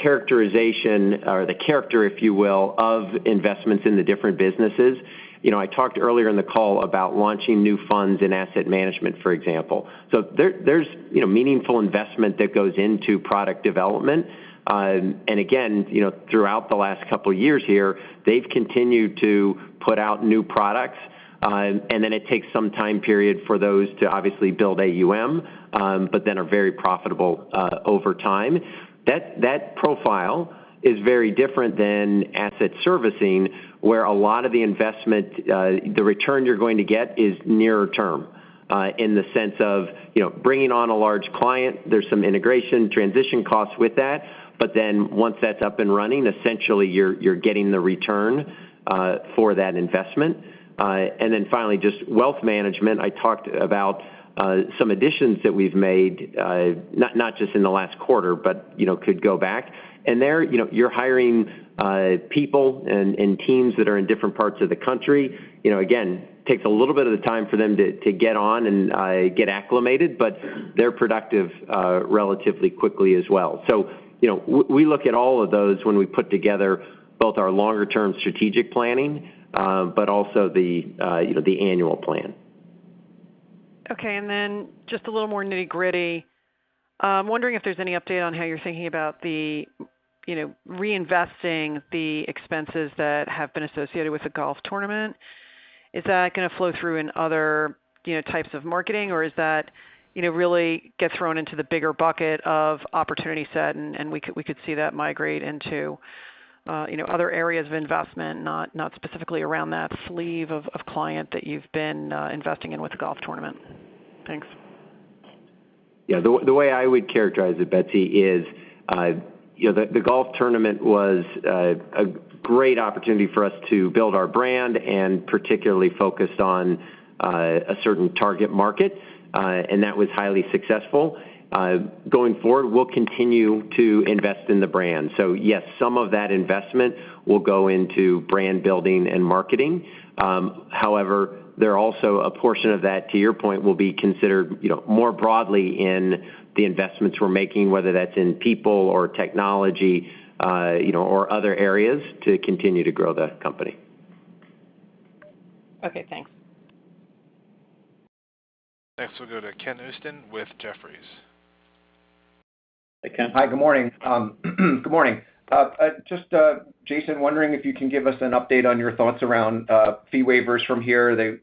characterization or the character, if you will, of investments in the different businesses. I talked earlier in the call about launching new funds in asset management, for example. There's meaningful investment that goes into product development. Throughout the last couple years here, they've continued to put out new products. It takes some time period for those to obviously build AUM but then are very profitable over time. That profile is very different than asset servicing, where a lot of the investment, the return you're going to get is nearer term, in the sense of bringing on a large client, there's some integration transition costs with that, but then once that's up and running, essentially you're getting the return for that investment. Finally, just wealth management. I talked about some additions that we've made, not just in the last quarter, but could go back. There you're hiring people and teams that are in different parts of the country. Again, takes a little bit of the time for them to get on and get acclimated, but they're productive relatively quickly as well. We look at all of those when we put together both our longer-term strategic planning, but also the annual plan. Okay, just a little more nitty-gritty. I'm wondering if there's any update on how you're thinking about the reinvesting the expenses that have been associated with the golf tournament. Is that going to flow through in other types of marketing, or is that really get thrown into the bigger bucket of opportunity set and we could see that migrate into other areas of investment, not specifically around that sleeve of client that you've been investing in with the golf tournament? Thanks. The way I would characterize it, Betsy, is the golf tournament was a great opportunity for us to build our brand and particularly focused on a certain target market, and that was highly successful. Going forward, we'll continue to invest in the brand. Yes, some of that investment will go into brand building and marketing. However, they're also a portion of that, to your point, will be considered more broadly in the investments we're making, whether that's in people or technology or other areas to continue to grow the company. Okay, thanks. Next, we'll go to Ken Usdin with Jefferies. Hey, Ken. Hi. Good morning. Good morning. Just, Jason, wondering if you can give us an update on your thoughts around fee waivers from here. They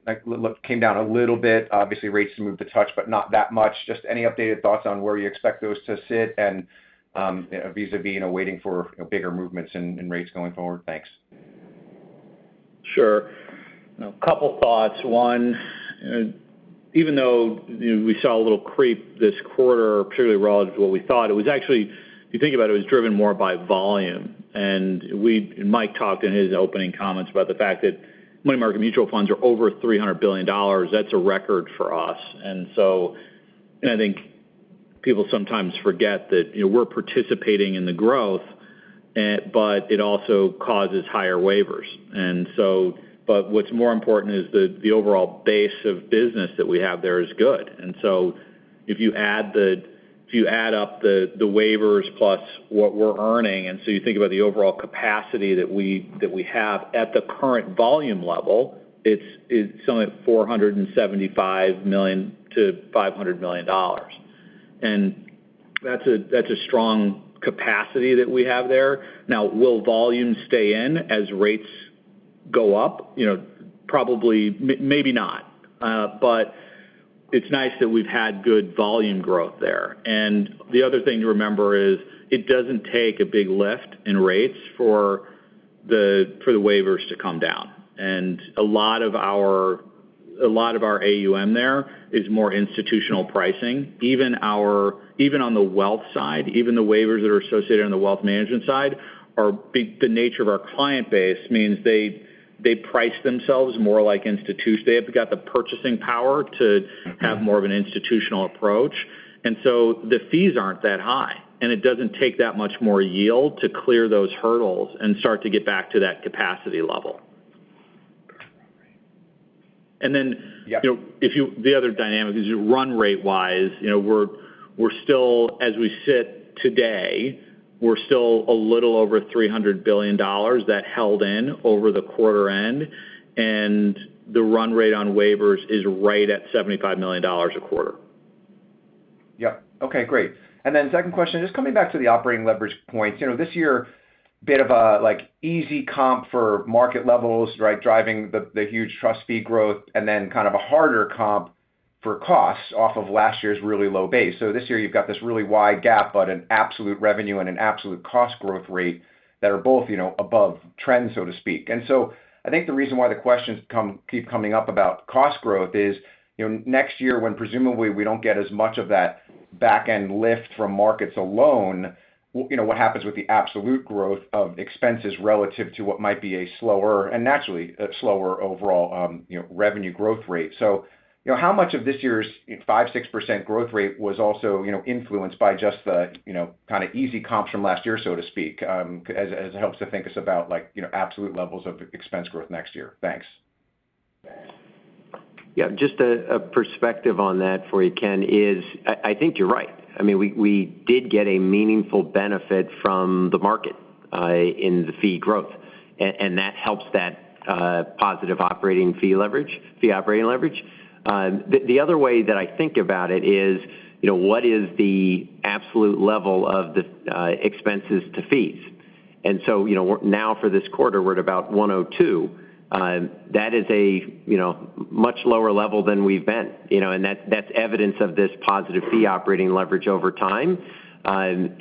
came down a little bit. Obviously rates moved a touch, but not that much. Just any updated thoughts on where you expect those to sit and vis-a-vis waiting for bigger movements in rates going forward? Thanks. Sure. A couple thoughts. One, even though we saw a little creep this quarter, particularly relative to what we thought, it was actually, if you think about it was driven more by volume. Mike talked in his opening comments about the fact that money market mutual funds are over $300 billion. That's a record for us. I think people sometimes forget that we're participating in the growth, but it also causes higher waivers. What's more important is the overall base of business that we have there is good. If you add up the waivers plus what we're earning, you think about the overall capacity that we have at the current volume level, it's somewhere at $475 million-$500 million. That's a strong capacity that we have there. Now, will volume stay in as rates go up? Probably, maybe not. It's nice that we've had good volume growth there. The other thing to remember is it doesn't take a big lift in rates for the waivers to come down. A lot of our AUM there is more institutional pricing. Even on the wealth side, even the waivers that are associated on the wealth management side, the nature of our client base means they price themselves more like institutions. They've got the purchasing power to have more of an institutional approach. So, the fees aren't that high, and it doesn't take that much more yield to clear those hurdles and start to get back to that capacity level. Right. And then the other dynamic is run rate-wise. As we sit today, we're still a little over $300 billion that held in over the quarter end. The run rate on waivers is right at $75 million a quarter. Yeah. Okay, great. Second question, just coming back to the operating leverage points. This year, bit of a easy comp for market levels, right, driving the huge trust fee growth, and then kind of a harder comp for costs off of last year's really low base. This year you've got this really wide gap on an absolute revenue and an absolute cost growth rate that are both above trend, so to speak. I think the reason why the questions keep coming up about cost growth is next year when presumably we don't get as much of that back-end lift from markets alone, what happens with the absolute growth of expenses relative to what might be a slower, and naturally a slower overall revenue growth rate? How much of this year's 5%-6% growth rate was also influenced by just the kind of easy comps from last year, so to speak, as it helps to think us about absolute levels of expense growth next year? Thanks. Yeah. Just a perspective on that for you, Ken, is I think you're right. We did get a meaningful benefit from the market in the fee growth. That helps that positive operating fee leverage. The other way that I think about it is what is the absolute level of the expenses to fees? Now for this quarter, we're at about 102%. That is a much lower level than we've been. That's evidence of this positive fee operating leverage over time. At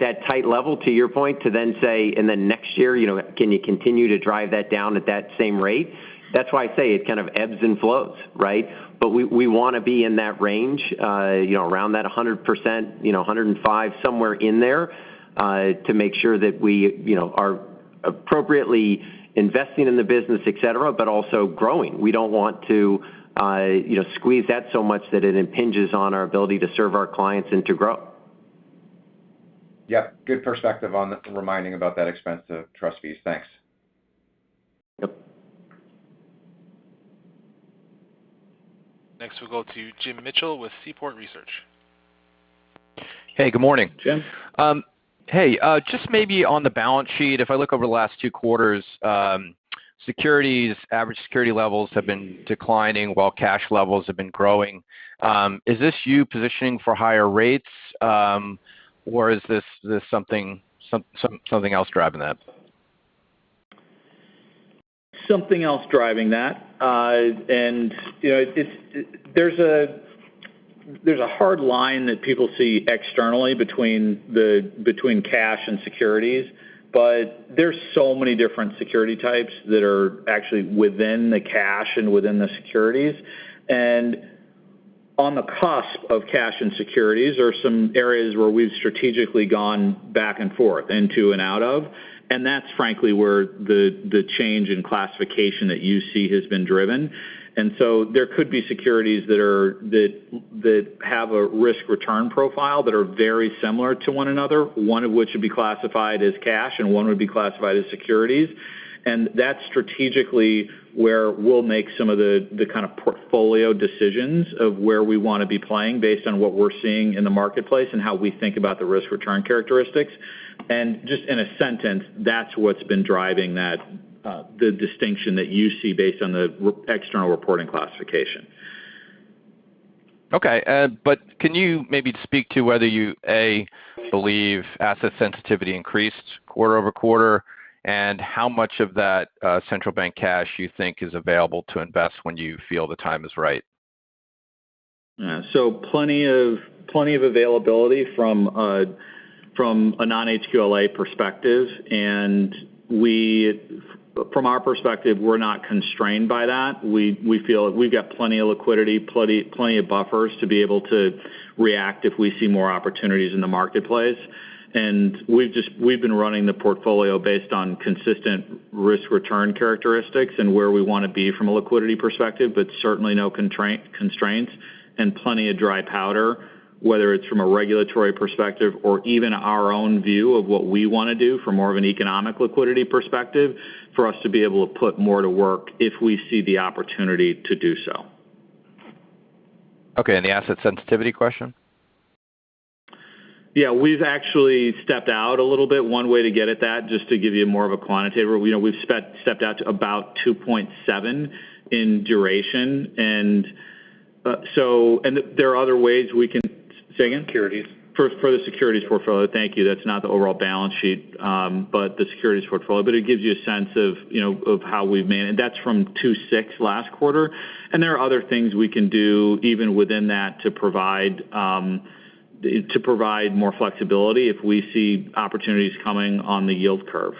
that tight level, to your point, to then say, and then next year, can you continue to drive that down at that same rate? That's why I say it kind of ebbs and flows, right? We want to be in that range around that 100%, 105%, somewhere in there to make sure that we are appropriately investing in the business, et cetera, but also growing. We don't want to squeeze that so much that it impinges on our ability to serve our clients and to grow. Yeah. Good perspective on reminding about that expense to trust fees. Thanks. Yep. Next we'll go to Jim Mitchell with Seaport Research. Hey, good morning. Jim. Hey, just maybe on the balance sheet, if I look over the last two quarters, average security levels have been declining while cash levels have been growing. Is this you positioning for higher rates, or is this something else driving that? Something else driving that. There's a hard line that people see externally between cash and securities, but there's so many different security types that are actually within the cash and within the securities. On the cusp of cash and securities are some areas where we've strategically gone back and forth, into and out of. That's frankly where the change in classification that you see has been driven. There could be securities that have a risk return profile that are very similar to one another, one of which would be classified as cash and one would be classified as securities. That's strategically where we'll make some of the kind of portfolio decisions of where we want to be playing based on what we're seeing in the marketplace and how we think about the risk return characteristics. Just in a sentence, that's what's been driving the distinction that you see based on the external reporting classification. Okay. Can you maybe speak to whether you, A, believe asset sensitivity increased quarter-over-quarter? How much of that central bank cash you think is available to invest when you feel the time is right? Yeah. Plenty of availability from a non-HQLA perspective. From our perspective, we're not constrained by that. We feel we've got plenty of liquidity, plenty of buffers to be able to react if we see more opportunities in the marketplace. We've been running the portfolio based on consistent risk return characteristics and where we want to be from a liquidity perspective, but certainly no constraints and plenty of dry powder, whether it's from a regulatory perspective or even our own view of what we want to do from more of an economic liquidity perspective for us to be able to put more to work if we see the opportunity to do so. Okay, the asset sensitivity question? Yeah, we've actually stepped out a little bit. One way to get at that, just to give you more of a quantitative, we've stepped out to about 2.7 in duration. Say again? Securities. For the securities portfolio. Thank you. That's not the overall balance sheet, but the securities portfolio. It gives you a sense of how we've managed. That's from 2.6 last quarter, and there are other things we can do even within that to provide more flexibility if we see opportunities coming on the yield curve.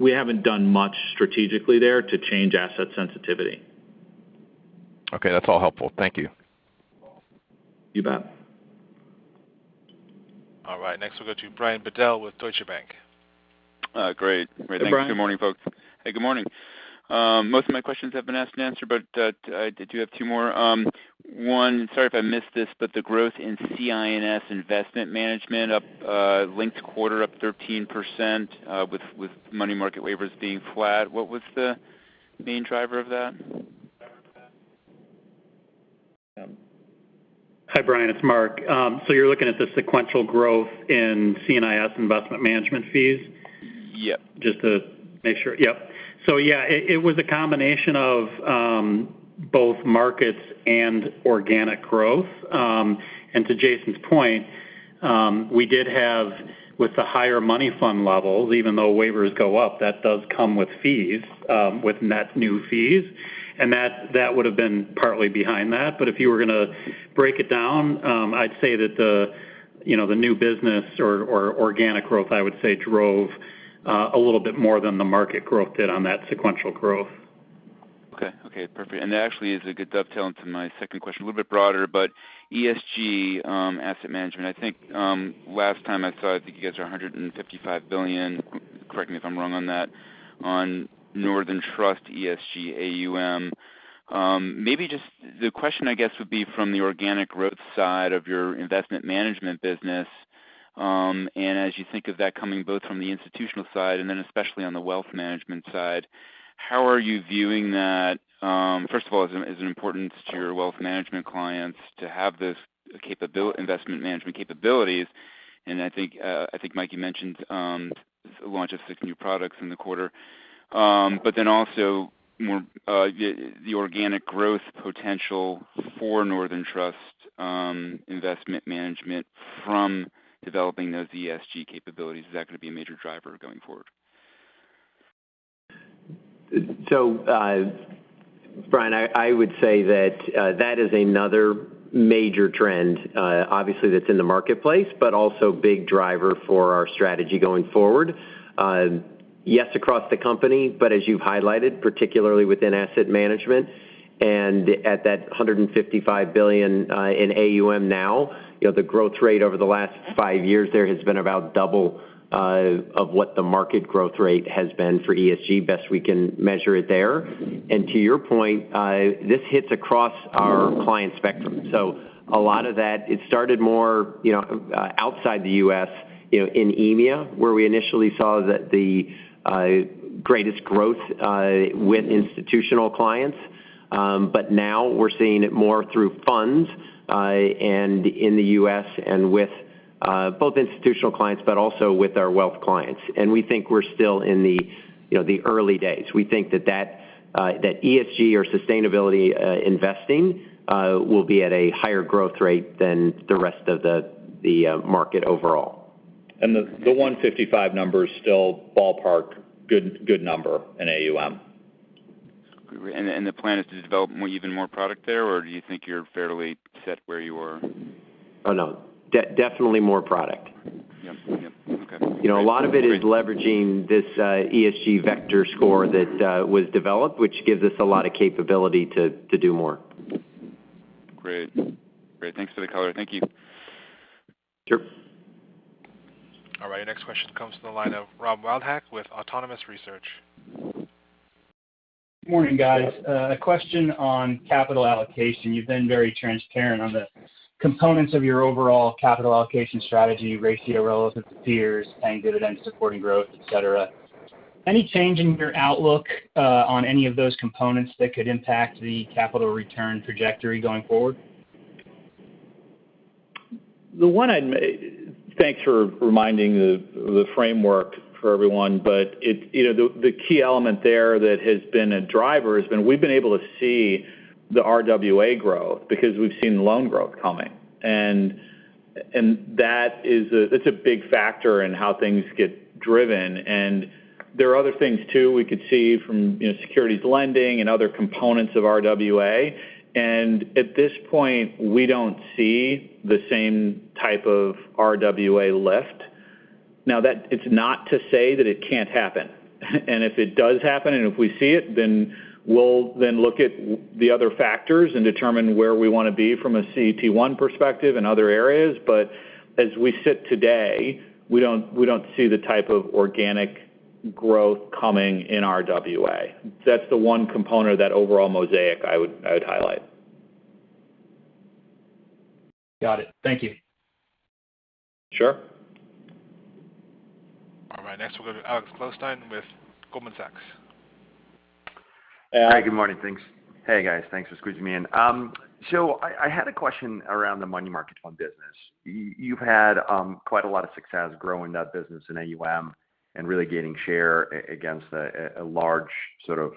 We haven't done much strategically there to change asset sensitivity. Okay. That's all helpful. Thank you. You bet. All right. Next we'll go to Brian Bedell with Deutsche Bank. Great. Hey, Brian. Thanks. Good morning, folks. Hey, good morning. Most of my questions have been asked and answered, but I do have two more. One, sorry if I missed this, but the growth in C&IS investment management linked quarter up 13%, with money market waivers being flat. What was the main driver of that? Hi, Brian, it's Mark. You're looking at the sequential growth in C&IS investment management fees? Yep. Just to make sure. Yep. Yeah, it was a combination of both markets and organic growth. To Jason's point, we did have with the higher money fund levels, even though waivers go up, that does come with fees, with net new fees. That would've been partly behind that. If you were going to break it down, I'd say that the new business or organic growth, I would say drove a little bit more than the market growth did on that sequential growth. Okay. Perfect. That actually is a good dovetail into my second question. A little bit broader, ESG asset management. I think last time I saw, I think you guys are $155 billion, correct me if I'm wrong on that, on Northern Trust ESG AUM. The question I guess would be from the organic growth side of your investment management business, and as you think of that coming both from the institutional side and then especially on the wealth management side, how are you viewing that? First of all, is it important to your wealth management clients to have this investment management capabilities? I think Mike mentioned the launch of six new products in the quarter. Also more the organic growth potential for Northern Trust investment management from developing those ESG capabilities. Is that going to be a major driver going forward? Brian, I would say that that is another major trend obviously that's in the marketplace, but also big driver for our strategy going forward. Yes, across the company, but as you've highlighted, particularly within Asset Management. At that $155 billion in AUM now, the growth rate over the last five years there has been about double of what the market growth rate has been for ESG. Best we can measure it there. To your point, this hits across our client spectrum. A lot of that, it started more outside the U.S., in EMEA, where we initially saw that the greatest growth with institutional clients. Now we're seeing it more through funds and in the U.S. and with both institutional clients, but also with our wealth clients. We think we're still in the early days. We think that ESG or sustainability investing will be at a higher growth rate than the rest of the market overall. The $155 number is still ballpark good number in AUM. The plan is to develop even more product there, or do you think you're fairly set where you are? Oh, no. Definitely more product. A lot of it is leveraging this ESG Vector Score that was developed, which gives us a lot of capability to do more. Great. Thanks for the color. Thank you. Sure. All right. Next question comes from the line of Robert Wildhack with Autonomous Research. Morning, guys. A question on capital allocation. You've been very transparent on the components of your overall capital allocation strategy ratio relative to peers, paying dividends, supporting growth, et cetera. Any change in your outlook on any of those components that could impact the capital return trajectory going forward? Thanks for reminding the framework for everyone, but the key element there that has been a driver has been we've been able to see the RWA growth because we've seen loan growth coming. That's a big factor in how things get driven. There are other things too we could see from securities lending and other components of RWA. At this point, we don't see the same type of RWA lift. Now it's not to say that it can't happen. If it does happen, and if we see it, then we'll then look at the other factors and determine where we want to be from a CET1 perspective and other areas. As we sit today, we don't see the type of organic growth coming in RWA. That's the one component of that overall mosaic I would highlight. Got it. Thank you. Sure. All right. Next, we'll go to Alex Blostein with Goldman Sachs. Hi. Good morning. Thanks. Hey, guys. Thanks for squeezing me in. I had a question around the money market fund business. You've had quite a lot of success growing that business in AUM and really gaining share against a large book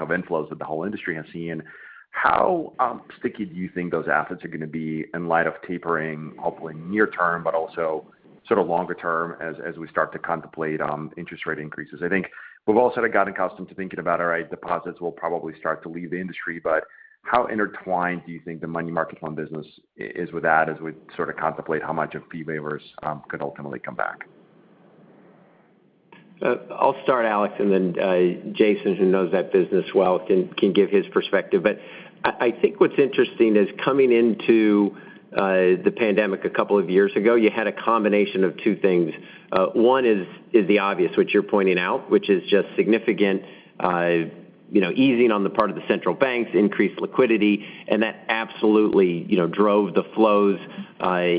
of inflows that the whole industry has seen. How sticky do you think those assets are going to be in light of tapering, hopefully near term, but also sort of longer term as we start to contemplate interest rate increases? I think we've all sort of gotten accustomed to thinking about, all right, deposits will probably start to leave the industry, but how intertwined do you think the money market fund business is with that as we sort of contemplate how much of fee waivers could ultimately come back? I'll start, Alex, and then Jason, who knows that business well, can give his perspective. I think what's interesting is coming into the pandemic a couple of years ago, you had a combination of two things. One is the obvious, which you're pointing out, which is just significant easing on the part of the central banks, increased liquidity, and that absolutely drove the flows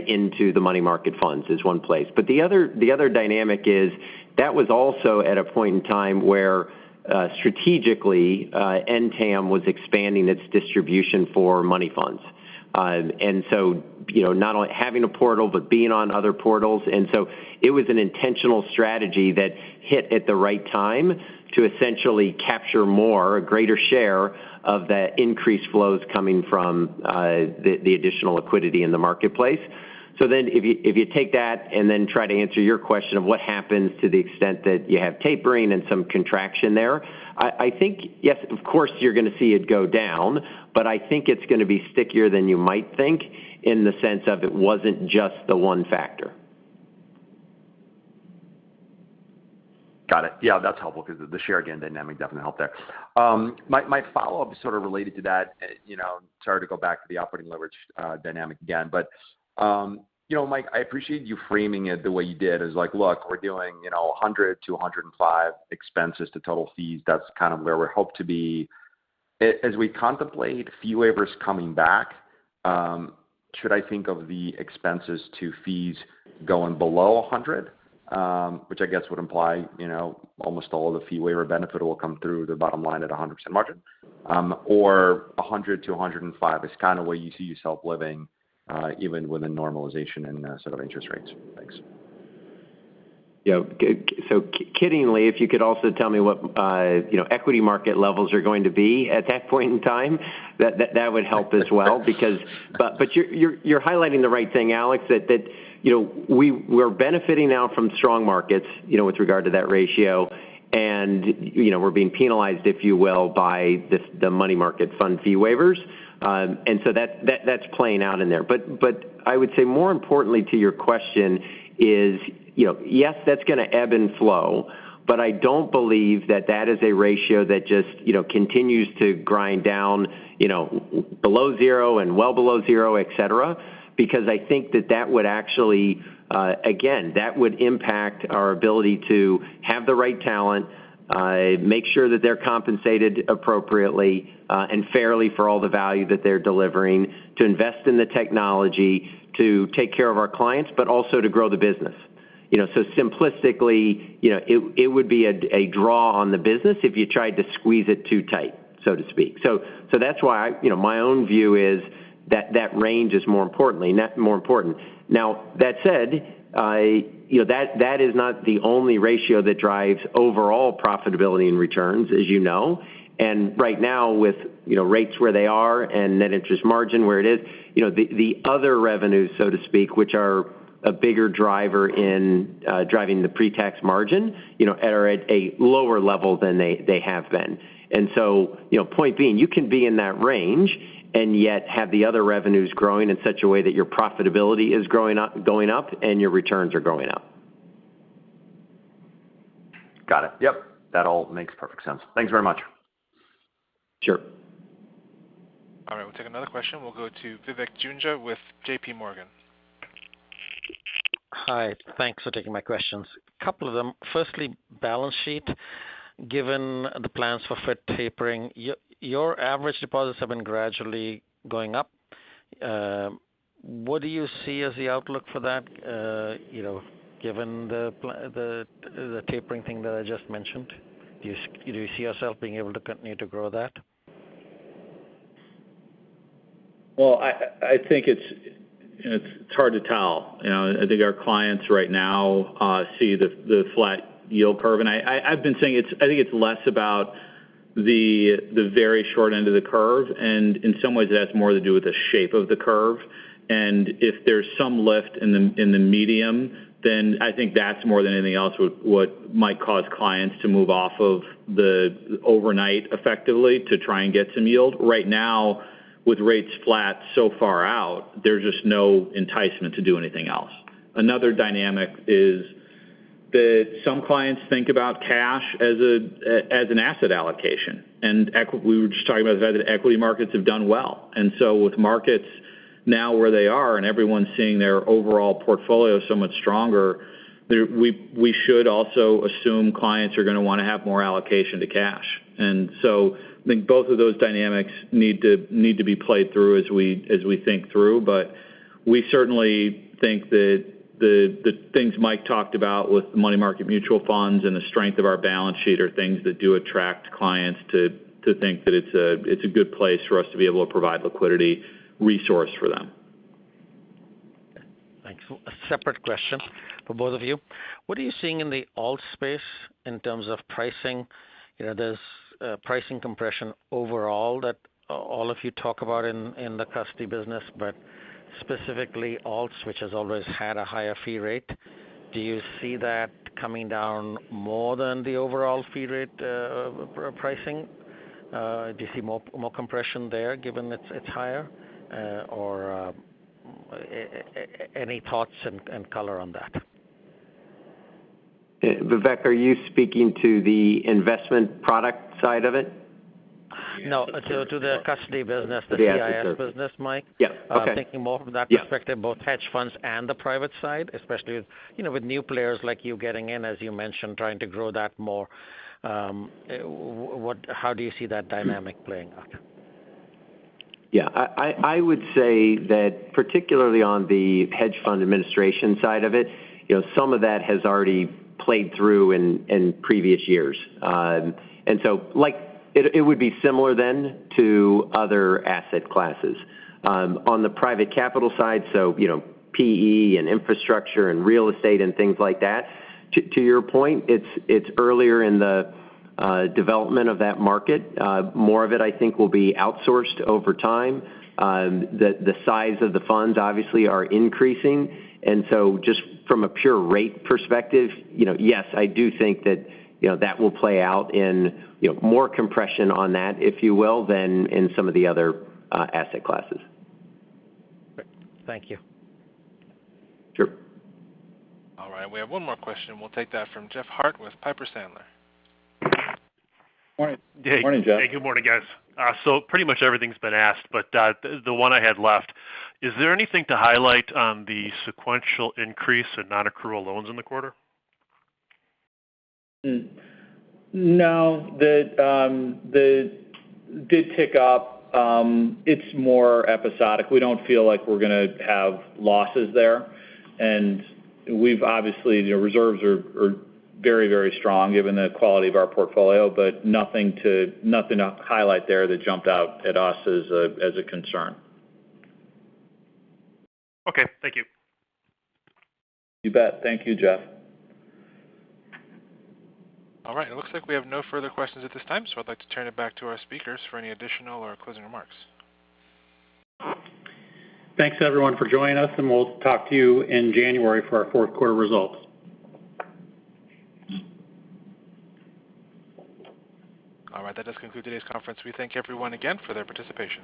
into the money market funds is one place. The other dynamic is that was also at a point in time where strategically, NTAM was expanding its distribution for money funds. Not only having a portal, being on other portals. It was an intentional strategy that hit at the right time to essentially capture more, a greater share of the increased flows coming from the additional liquidity in the marketplace. If you take that and then try to answer your question of what happens to the extent that you have tapering and some contraction there, I think, yes, of course, you're going to see it go down. I think it's going to be stickier than you might think in the sense of it wasn't just the one factor. Got it. Yeah, that's helpful because the share gain dynamic definitely helped there. My follow-up is sort of related to that. Sorry to go back to the operating leverage dynamic again, Mike, I appreciate you framing it the way you did as like, look, we're doing 100%-105% expenses to total fees. That's kind of where we hope to be. As we contemplate fee waivers coming back, should I think of the expenses to fees going below 100%? Which I guess would imply almost all of the fee waiver benefit will come through the bottom line at 100% margin. 100%-105% is kind of where you see yourself living even with a normalization in sort of interest rates. Thanks. Kiddingly, if you could also tell me what equity market levels are going to be at that point in time, that would help as well. You're highlighting the right thing, Alex, that we're benefiting now from strong markets with regard to that ratio. We're being penalized, if you will, by the money market fund fee waivers. That's playing out in there. I would say more importantly to your question is, yes, that's going to ebb and flow, but I don't believe that that is a ratio that just continues to grind down below zero and well below zero, et cetera. I think that that would actually, again, that would impact our ability to have the right talent, make sure that they're compensated appropriately and fairly for all the value that they're delivering to invest in the technology, to take care of our clients, but also to grow the business. Simplistically, it would be a draw on the business if you tried to squeeze it too tight, so to speak. That's why my own view is that range is more important. That said, that is not the only ratio that drives overall profitability and returns, as you know. Right now with rates where they are and net interest margin where it is, the other revenues, so to speak, which are a bigger driver in driving the pre-tax margin are at a lower level than they have been. Point being, you can be in that range and yet have the other revenues growing in such a way that your profitability is going up, and your returns are going up. Got it. Yep. That all makes perfect sense. Thanks very much. Sure. All right. We'll take another question. We'll go to Vivek Juneja with JPMorgan. Hi. Thanks for taking my questions. A couple of them. Firstly, balance sheet. Given the plans for Fed tapering, your average deposits have been gradually going up. What do you see as the outlook for that given the tapering thing that I just mentioned? Do you see yourself being able to continue to grow that? Well, I think it's hard to tell. I think our clients right now see the flat yield curve. I've been saying I think it's less about the very short end of the curve, and in some ways it has more to do with the shape of the curve. If there's some lift in the medium, I think that's more than anything else what might cause clients to move off of the overnight effectively to try and get some yield. Right now with rates flat so far out, there's just no enticement to do anything else. Another dynamic is that some clients think about cash as an asset allocation. We were just talking about the fact that equity markets have done well. With markets now where they are and everyone seeing their overall portfolio so much stronger, we should also assume clients are going to want to have more allocation to cash. I think both of those dynamics need to be played through as we think through. We certainly think that the things Mike talked about with the money market mutual funds and the strength of our balance sheet are things that do attract clients to think that it's a good place for us to be able to provide liquidity resource for them. Thanks. A separate question for both of you. What are you seeing in the alt space in terms of pricing? There's pricing compression overall that all of you talk about in the custody business, but specifically alts, which has always had a higher fee rate. Do you see that coming down more than the overall fee rate pricing? Do you see more compression there, given its higher? Any thoughts and color on that? Vivek, are you speaking to the investment product side of it? No, to the custody business. Yes the C&IS business, Mike. Yeah. Okay. I'm thinking more from that perspective, both hedge funds and the private side. Especially with new players like you getting in, as you mentioned, trying to grow that more. How do you see that dynamic playing out? Yeah. I would say that particularly on the hedge fund administration side of it, some of that has already played through in previous years. It would be similar then to other asset classes. On the private capital side, so PE and infrastructure and real estate and things like that, to your point, it's earlier in the development of that market. More of it, I think, will be outsourced over time. The size of the funds obviously is increasing, just from a pure rate perspective, yes, I do think that that will play out in more compression on that, if you will, than in some of the other asset classes. Great. Thank you. Sure. All right. We have one more question. We'll take that from Jeff Harte with Piper Sandler. Morning. Morning, Jeff Harte. Hey, good morning, guys. Pretty much everything's been asked, but the one I had left. Is there anything to highlight on the sequential increase in non-accrual loans in the quarter? No. They did pick up. It's more episodic. We don't feel like we're going to have losses there, and obviously, the reserves are very strong given the quality of our portfolio, but nothing to highlight there that jumped out at us as a concern. Okay. Thank you. You bet. Thank you, Jeff. All right. It looks like we have no further questions at this time, so I'd like to turn it back to our speakers for any additional or closing remarks. Thanks, everyone, for joining us, and we'll talk to you in January for our fourth-quarter results. All right. That does conclude today's conference. We thank everyone again for their participation.